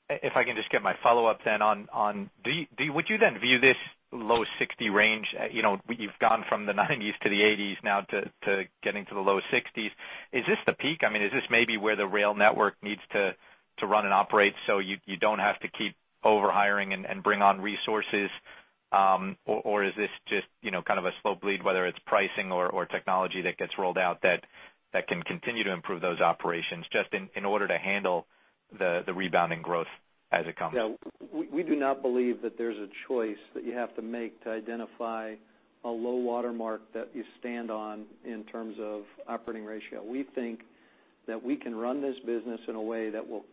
If I can just get my follow-up on, would you view this low 60 range, you've gone from the 90s to the 80s now to getting to the low 60s. Is this the peak? Is this maybe where the rail network needs to run and operate so you don't have to keep over-hiring and bring on resources? Is this just kind of a slow bleed, whether it's pricing or technology that gets rolled out that can continue to improve those operations just in order to handle the rebounding growth as it comes? We do not believe that there's a choice that you have to make to identify a low watermark that you stand on in terms of Operating Ratio. We think that we can run this business in a way that will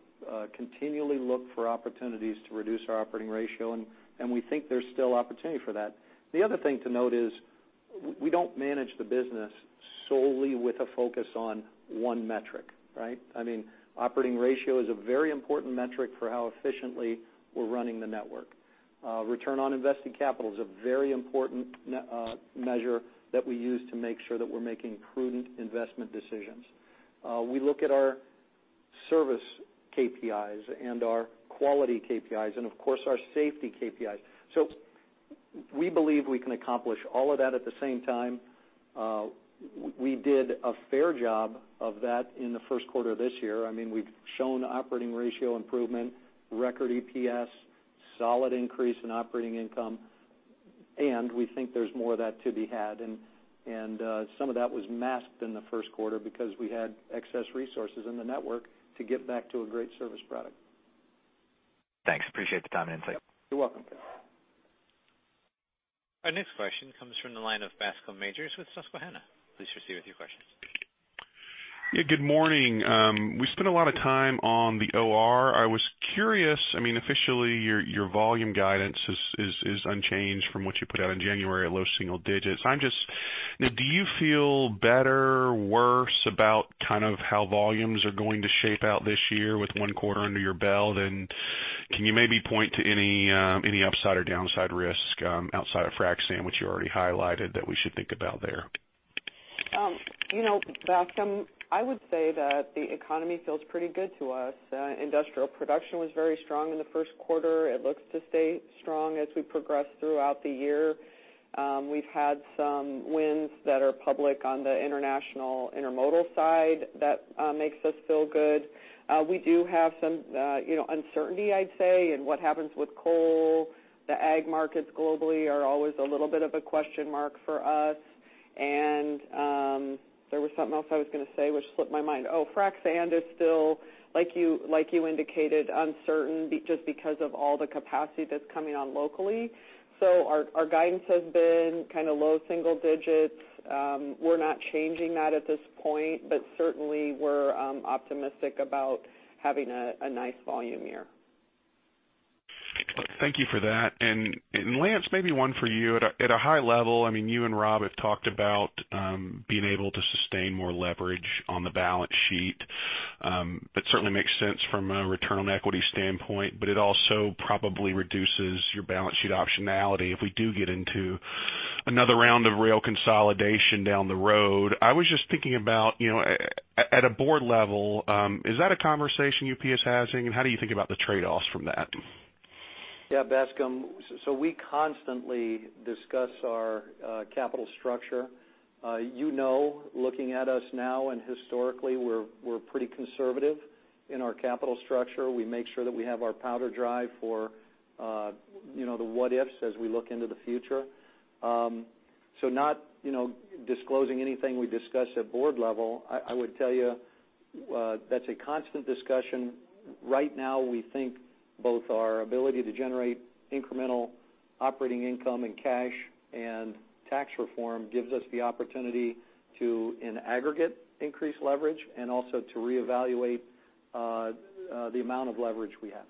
continually look for opportunities to reduce our Operating Ratio, and we think there's still opportunity for that. The other thing to note is we don't manage the business solely with a focus on one metric, right? Operating Ratio is a very important metric for how efficiently we're running the network. Return on invested capital is a very important measure that we use to make sure that we're making prudent investment decisions. We look at our service KPIs and our quality KPIs and, of course, our safety KPIs. We believe we can accomplish all of that at the same time. We did a fair job of that in the first quarter of this year. We've shown Operating Ratio improvement, record EPS, solid increase in operating income, and we think there's more of that to be had. Some of that was masked in the first quarter because we had excess resources in the network to get back to a great service product. Thanks. Appreciate the time and insight. You're welcome. Our next question comes from the line of Bascom Majors with Susquehanna. Please proceed with your questions. Yeah, good morning. We spent a lot of time on the OR. I was curious, officially, your volume guidance is unchanged from what you put out in January at low single digits. Do you feel better, worse about kind of how volumes are going to shape out this year with one quarter under your belt? Can you maybe point to any upside or downside risk outside of frac sand, which you already highlighted, that we should think about there? Bascom, I would say that the economy feels pretty good to us. Industrial production was very strong in the first quarter. It looks to stay strong as we progress throughout the year. We've had some wins that are public on the international intermodal side that makes us feel good. We do have some uncertainty, I'd say, in what happens with coal. The ag markets globally are always a little bit of a question mark for us. There was something else I was going to say, which slipped my mind. Oh, frac sand is still, like you indicated, uncertain just because of all the capacity that's coming on locally. Our guidance has been kind of low single digits. We're not changing that at this point, but certainly, we're optimistic about having a nice volume year. Thank you for that. Lance, maybe one for you. At a high level, you and Rob have talked about being able to sustain more leverage on the balance sheet. That certainly makes sense from a return on equity standpoint, but it also probably reduces your balance sheet optionality if we do get into another round of rail consolidation down the road. I was just thinking about, at a board level, is that a conversation UP has, and how do you think about the trade-offs from that? Yeah, Bascom, we constantly discuss our capital structure. You know, looking at us now and historically, we're pretty conservative in our capital structure. We make sure that we have our powder dry for the what-ifs as we look into the future. Not disclosing anything we discussed at board level, I would tell you, that's a constant discussion. Right now, we think both our ability to generate incremental operating income and cash and tax reform gives us the opportunity to, in aggregate, increase leverage and also to reevaluate the amount of leverage we have.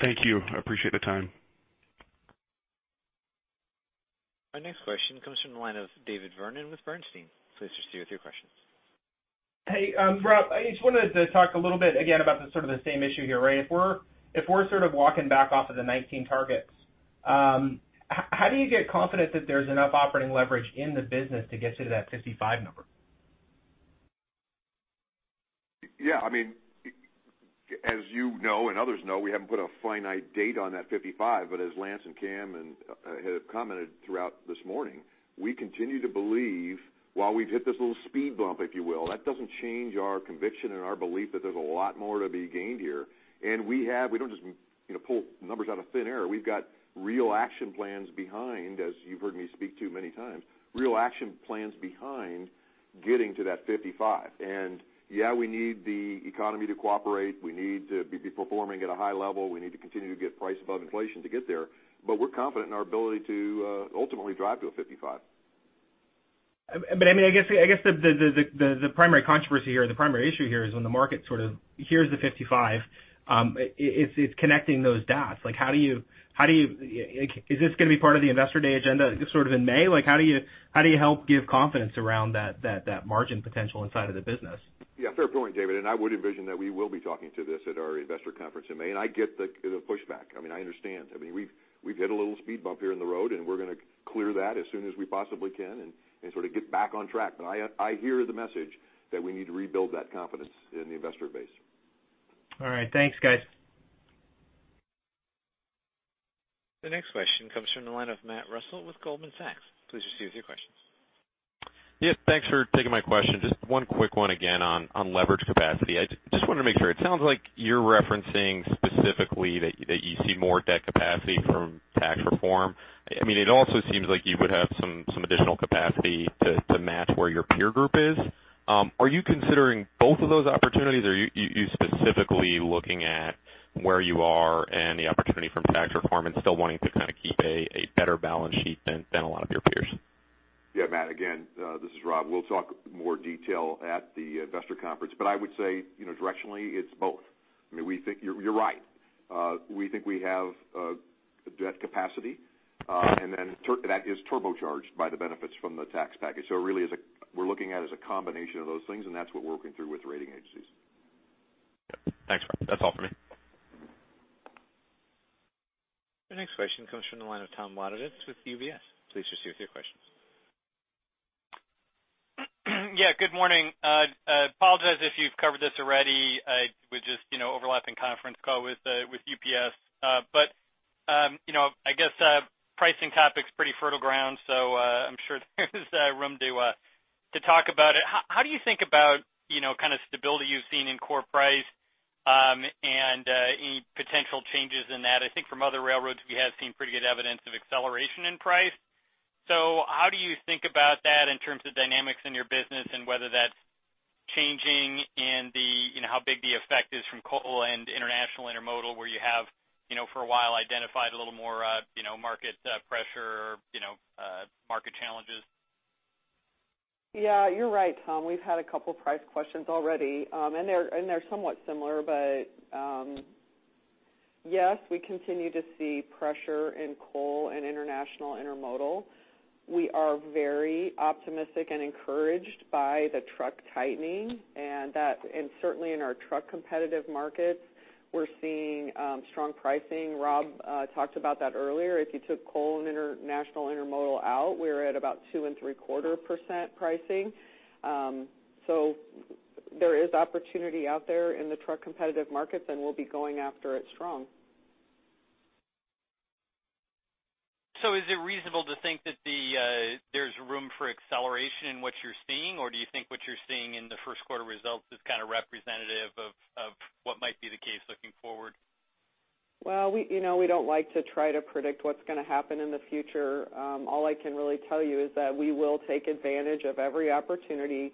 Thank you. I appreciate the time. Our next question comes from the line of David Vernon with Bernstein. Please proceed with your questions. Hey, Rob, I just wanted to talk a little bit again about the same issue here. If we're sort of walking back off of the 2019 targets, how do you get confident that there's enough operating leverage in the business to get you to that 55 number? Yeah. As you know, and others know, we haven't put a finite date on that 55, but as Lance and Cam have commented throughout this morning, we continue to believe while we've hit this little speed bump, if you will, that doesn't change our conviction and our belief that there's a lot more to be gained here. We don't just pull numbers out of thin air. We've got real action plans behind, as you've heard me speak to many times, real action plans behind getting to that 55. Yeah, we need the economy to cooperate. We need to be performing at a high level. We need to continue to get price above inflation to get there. We're confident in our ability to ultimately drive to a 55. I guess the primary controversy here, the primary issue here is when the market sort of hears the 55, it's connecting those dots. Is this going to be part of the investor day agenda in May? How do you help give confidence around that margin potential inside of the business? Yeah, fair point, David, I would envision that we will be talking to this at our investor conference in May. I get the pushback. I understand. We've hit a little speed bump here in the road, we're going to clear that as soon as we possibly can and sort of get back on track. I hear the message that we need to rebuild that confidence in the investor base. All right. Thanks, guys. The next question comes from the line of Matthew Russell with Goldman Sachs. Please proceed with your questions. Yes, thanks for taking my question. Just one quick one again on leverage capacity. I just wanted to make sure, it sounds like you're referencing specifically that you see more debt capacity from tax reform. It also seems like you would have some additional capacity to match where your peer group is. Are you considering both of those opportunities, or are you specifically looking at where you are and the opportunity from tax reform and still wanting to kind of keep a better balance sheet than a lot of your peers? Yeah, Matt, again, this is Rob. We'll talk more detail at the investor conference, but I would say, directionally, it's both. You're right. We think we have debt capacity, and then that is turbocharged by the benefits from the tax package. Really, we're looking at is a combination of those things, and that's what we're working through with rating agencies. Yep. Thanks, Rob. That's all for me. The next question comes from the line of Thomas Wadewitz with UBS. Please proceed with your questions. Yeah, good morning. Apologize if you've covered this already, with just overlapping conference call with UPS. I guess pricing topic is pretty fertile ground, I'm sure there is room to talk about it. How do you think about kind of stability you've seen in core price, and any potential changes in that? I think from other railroads, we have seen pretty good evidence of acceleration in price. How do you think about that in terms of dynamics in your business and whether that's changing and how big the effect is from coal and international intermodal, where you have, for a while, identified a little more market pressure, market challenges? Yeah, you're right, Tom. We've had a couple price questions already. They're somewhat similar, but yes, we continue to see pressure in coal and international intermodal. We are very optimistic and encouraged by the truck tightening and certainly in our truck competitive markets, we're seeing strong pricing. Rob talked about that earlier. If you took coal and international intermodal out, we were at about 2.75% pricing. There is opportunity out there in the truck competitive markets, and we'll be going after it strong. Is it reasonable to think that there's room for acceleration in what you're seeing, or do you think what you're seeing in the first quarter results is kind of representative of what might be the case looking forward? We don't like to try to predict what's going to happen in the future. All I can really tell you is that we will take advantage of every opportunity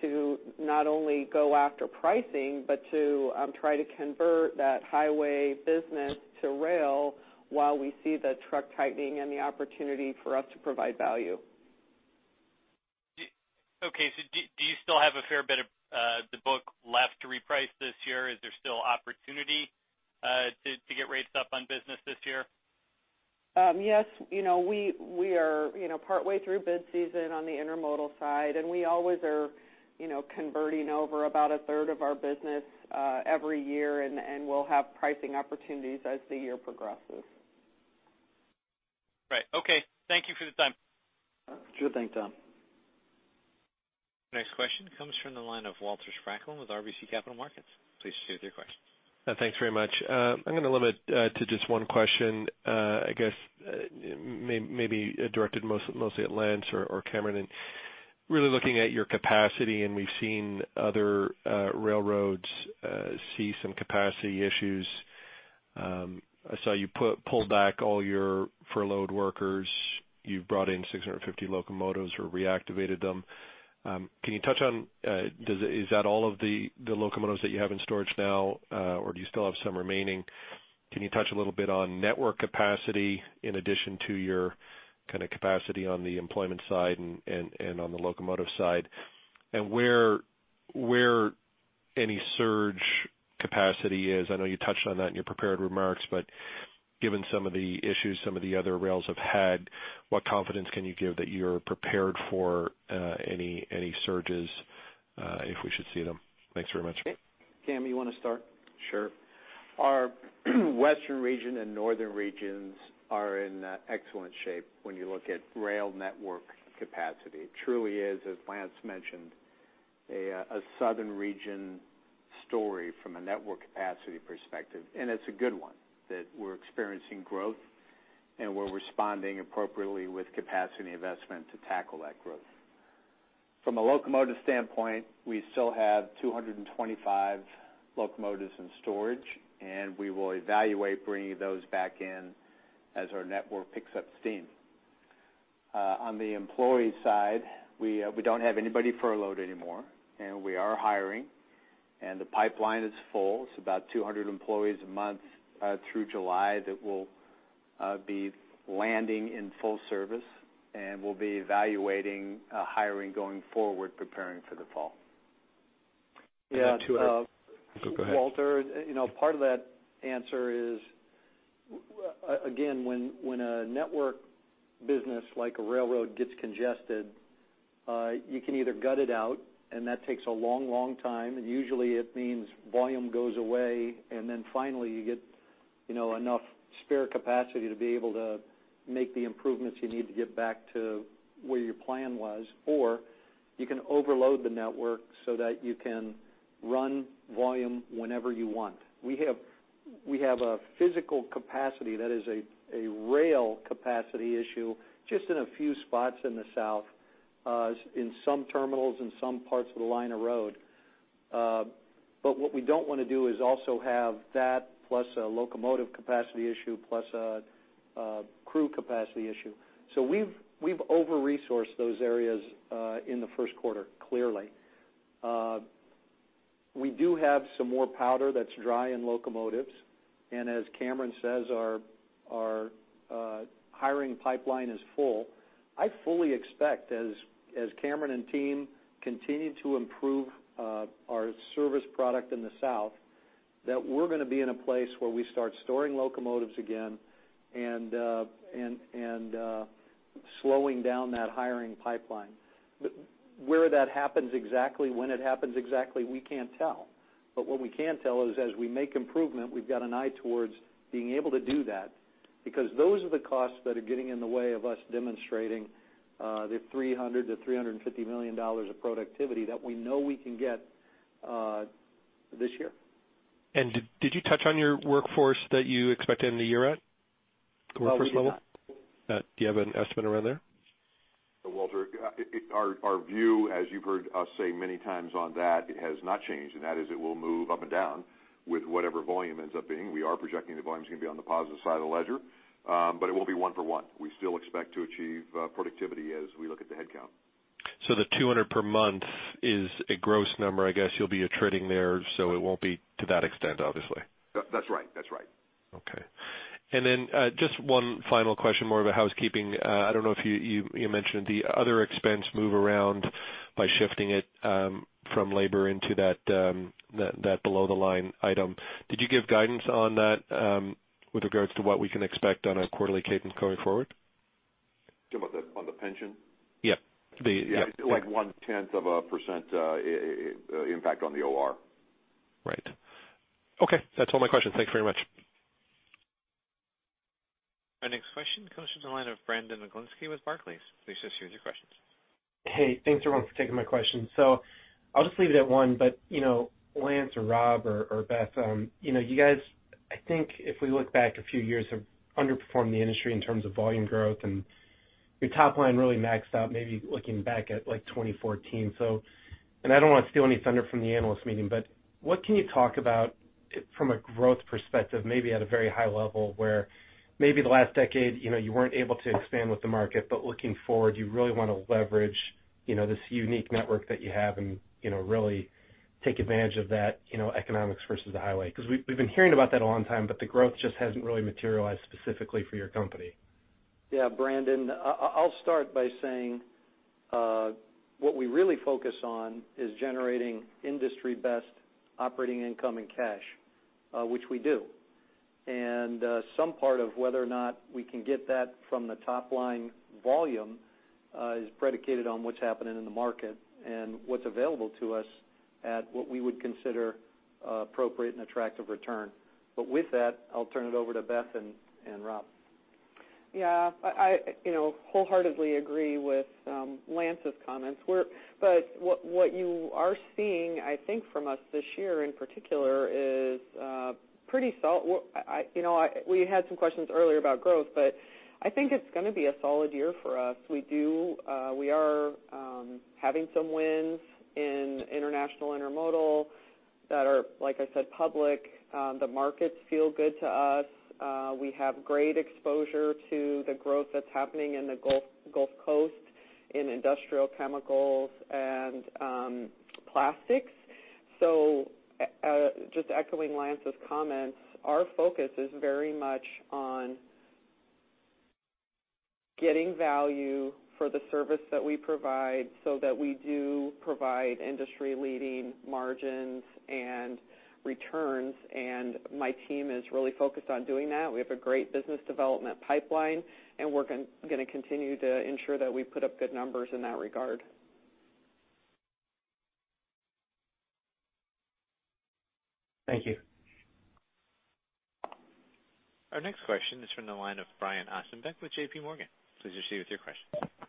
to not only go after pricing, but to try to convert that highway business to rail while we see the truck tightening and the opportunity for us to provide value. Do you still have a fair bit of the book left to reprice this year? Is there still opportunity to get rates up on business this year? Yes. We are partway through bid season on the intermodal side, and we always are converting over about a third of our business every year, and we'll have pricing opportunities as the year progresses. Okay. Thank you for the time. Sure thing, Tom. Next question comes from the line of Walter Spracklin with RBC Capital Markets. Please proceed with your questions. Thanks very much. I'm going to limit to just one question, I guess, maybe directed mostly at Lance or Cameron. Really looking at your capacity, we've seen other railroads see some capacity issues. I saw you pulled back all your furloughed workers. You've brought in 650 locomotives or reactivated them. Can you touch on, is that all of the locomotives that you have in storage now, or do you still have some remaining? Can you touch a little bit on network capacity in addition to your capacity on the employment side and on the locomotive side? Where any surge capacity is, I know you touched on that in your prepared remarks, but given some of the issues some of the other rails have had, what confidence can you give that you're prepared for any surges, if we should see them? Thanks very much. Cam, you want to start? Sure. Our western region and northern regions are in excellent shape when you look at rail network capacity. It truly is, as Lance mentioned, a southern region story from a network capacity perspective, and it's a good one, that we're experiencing growth, and we're responding appropriately with capacity investment to tackle that growth. From a locomotive standpoint, we still have 225 locomotives in storage, and we will evaluate bringing those back in as our network picks up steam. On the employee side, we don't have anybody furloughed anymore, and we are hiring, and the pipeline is full. It's about 200 employees a month through July that will be landing in full service, and we'll be evaluating hiring going forward, preparing for the fall. Yeah. Walter, part of that answer is, again, when a network business like a railroad gets congested, you can either gut it out and that takes a long time, and usually it means volume goes away, and then finally you get enough spare capacity to be able to make the improvements you need to get back to where your plan was. You can overload the network so that you can run volume whenever you want. We have a physical capacity that is a rail capacity issue just in a few spots in the south, in some terminals, in some parts of the line of road. What we don't want to do is also have that plus a locomotive capacity issue, plus a crew capacity issue. We've over-resourced those areas in the first quarter, clearly. We do have some more powder that's dry in locomotives. As Cameron says, our hiring pipeline is full. I fully expect, as Cameron and team continue to improve our service product in the south, that we're going to be in a place where we start storing locomotives again and slowing down that hiring pipeline. Where that happens exactly, when it happens exactly, we can't tell. What we can tell is, as we make improvement, we've got an eye towards being able to do that because those are the costs that are getting in the way of us demonstrating the $300 million to $350 million of productivity that we know we can get this year. Did you touch on your workforce that you expect to end the year at? Workforce level? No, we did not. Do you have an estimate around there? Walter, our view, as you've heard us say many times on that, it has not changed. That is it will move up and down with whatever volume ends up being. We are projecting the volume's going to be on the positive side of the ledger, but it won't be one for one. We still expect to achieve productivity as we look at the headcount. The 200 per month is a gross number. I guess you'll be attriting there, so it won't be to that extent, obviously. That's right. Okay. Just one final question, more of a housekeeping. I don't know if you mentioned the other expense move around by shifting it from labor into that below the line item. Did you give guidance on that with regards to what we can expect on a quarterly cadence going forward? You talking about on the pension? Yeah. Yeah, like one tenth of a % impact on the OR. Right. Okay. That's all my questions. Thank you very much. Our next question comes from the line of Brandon Oglenski with Barclays. Please just share your questions. Hey, thanks everyone for taking my question. I'll just leave it at one. Lance or Rob or Beth, you guys, I think if we look back a few years, have underperformed the industry in terms of volume growth and your top line really maxed out, maybe looking back at like 2014. I don't want to steal any thunder from the analyst meeting, what can you talk about from a growth perspective, maybe at a very high level, where maybe the last decade you weren't able to expand with the market, looking forward, you really want to leverage this unique network that you have and really take advantage of that economics versus the highway. We've been hearing about that a long time, the growth just hasn't really materialized specifically for your company. Yeah, Brandon, I'll start by saying, what we really focus on is generating industry best operating income and cash, which we do. Some part of whether or not we can get that from the top line volume is predicated on what's happening in the market and what's available to us at what we would consider appropriate and attractive return. With that, I'll turn it over to Beth and Rob. Yeah. I wholeheartedly agree with Lance's comments. What you are seeing, I think, from us this year in particular is pretty solid. We had some questions earlier about growth, I think it's going to be a solid year for us. We are having some wins in international intermodal that are, like I said, public. The markets feel good to us. We have great exposure to the growth that's happening in the Gulf Coast, in industrial chemicals and plastics. Just echoing Lance's comments, our focus is very much on getting value for the service that we provide so that we do provide industry-leading margins and returns, and my team is really focused on doing that. We have a great business development pipeline, and we're going to continue to ensure that we put up good numbers in that regard. Thank you. Our next question is from the line of Brian Ossenbeck with J.P. Morgan. Please proceed with your question.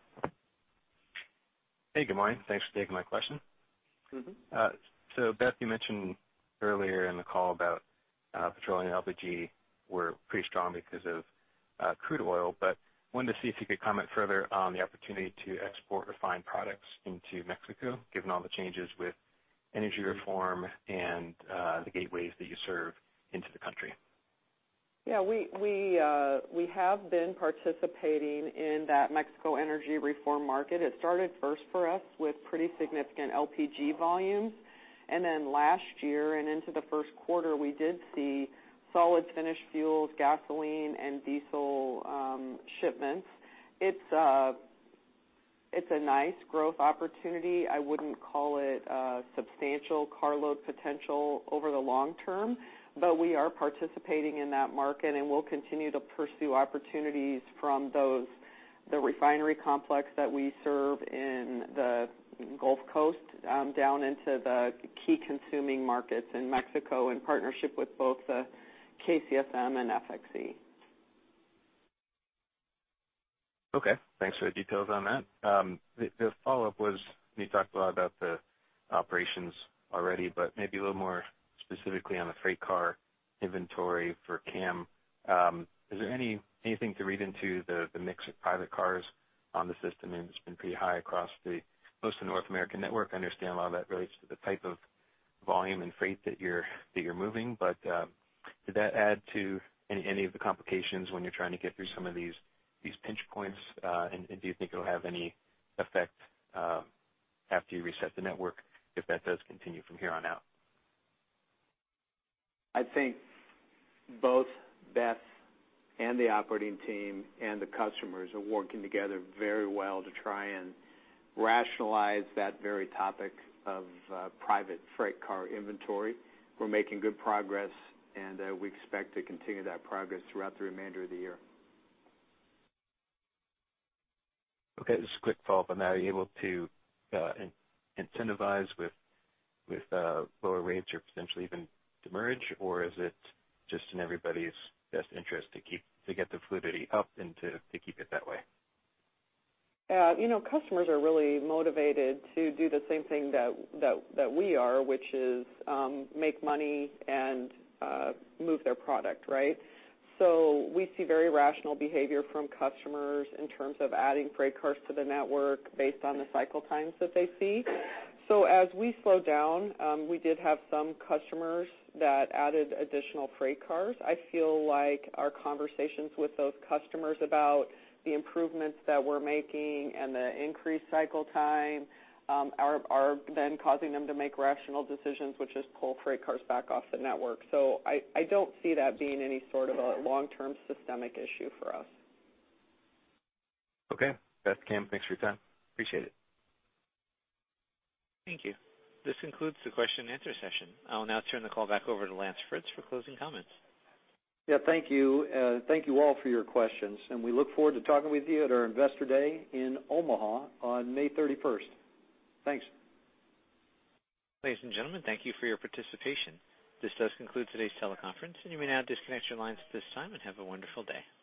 Hey, good morning. Thanks for taking my question. Beth, you mentioned earlier in the call about petroleum and LPG were pretty strong because of crude oil, but wanted to see if you could comment further on the opportunity to export refined products into Mexico, given all the changes with energy reform and the gateways that you serve into the country. Yeah, we have been participating in that Mexico energy reform market. It started first for us with pretty significant LPG volumes, and then last year and into the first quarter, we did see solid finished fuels, gasoline, and diesel shipments. It's a nice growth opportunity. I wouldn't call it a substantial carload potential over the long term, but we are participating in that market, and we'll continue to pursue opportunities from the refinery complex that we serve in the Gulf Coast down into the key consuming markets in Mexico, in partnership with both KCSM and FXE. Okay, thanks for the details on that. The follow-up was, you talked a lot about the operations already, but maybe a little more specifically on the freight car inventory for CAM. Is there anything to read into the mix of private cars on the system? It's been pretty high across most of the North American network. I understand a lot of that relates to the type of volume and freight that you're moving. Did that add to any of the complications when you're trying to get through some of these pinch points? Do you think it'll have any effect after you reset the network if that does continue from here on out? I think both Beth and the operating team and the customers are working together very well to try and rationalize that very topic of private freight car inventory. We're making good progress, and we expect to continue that progress throughout the remainder of the year. Okay, just a quick follow-up on that. Are you able to incentivize with lower rates or potentially even demurrage, or is it just in everybody's best interest to get the fluidity up and to keep it that way? Customers are really motivated to do the same thing that we are, which is make money and move their product, right? We see very rational behavior from customers in terms of adding freight cars to the network based on the cycle times that they see. As we slow down, we did have some customers that added additional freight cars. I feel like our conversations with those customers about the improvements that we're making and the increased cycle time are causing them to make rational decisions, which is pull freight cars back off the network. I don't see that being any sort of a long-term systemic issue for us. Okay. Beth, Cam, thanks for your time. Appreciate it. Thank you. This concludes the question and answer session. I will now turn the call back over to Lance Fritz for closing comments. Yeah, thank you. Thank you all for your questions, and we look forward to talking with you at our Investor Day in Omaha on May 31st. Thanks. Ladies and gentlemen, thank you for your participation. This does conclude today's teleconference. You may now disconnect your lines at this time. Have a wonderful day.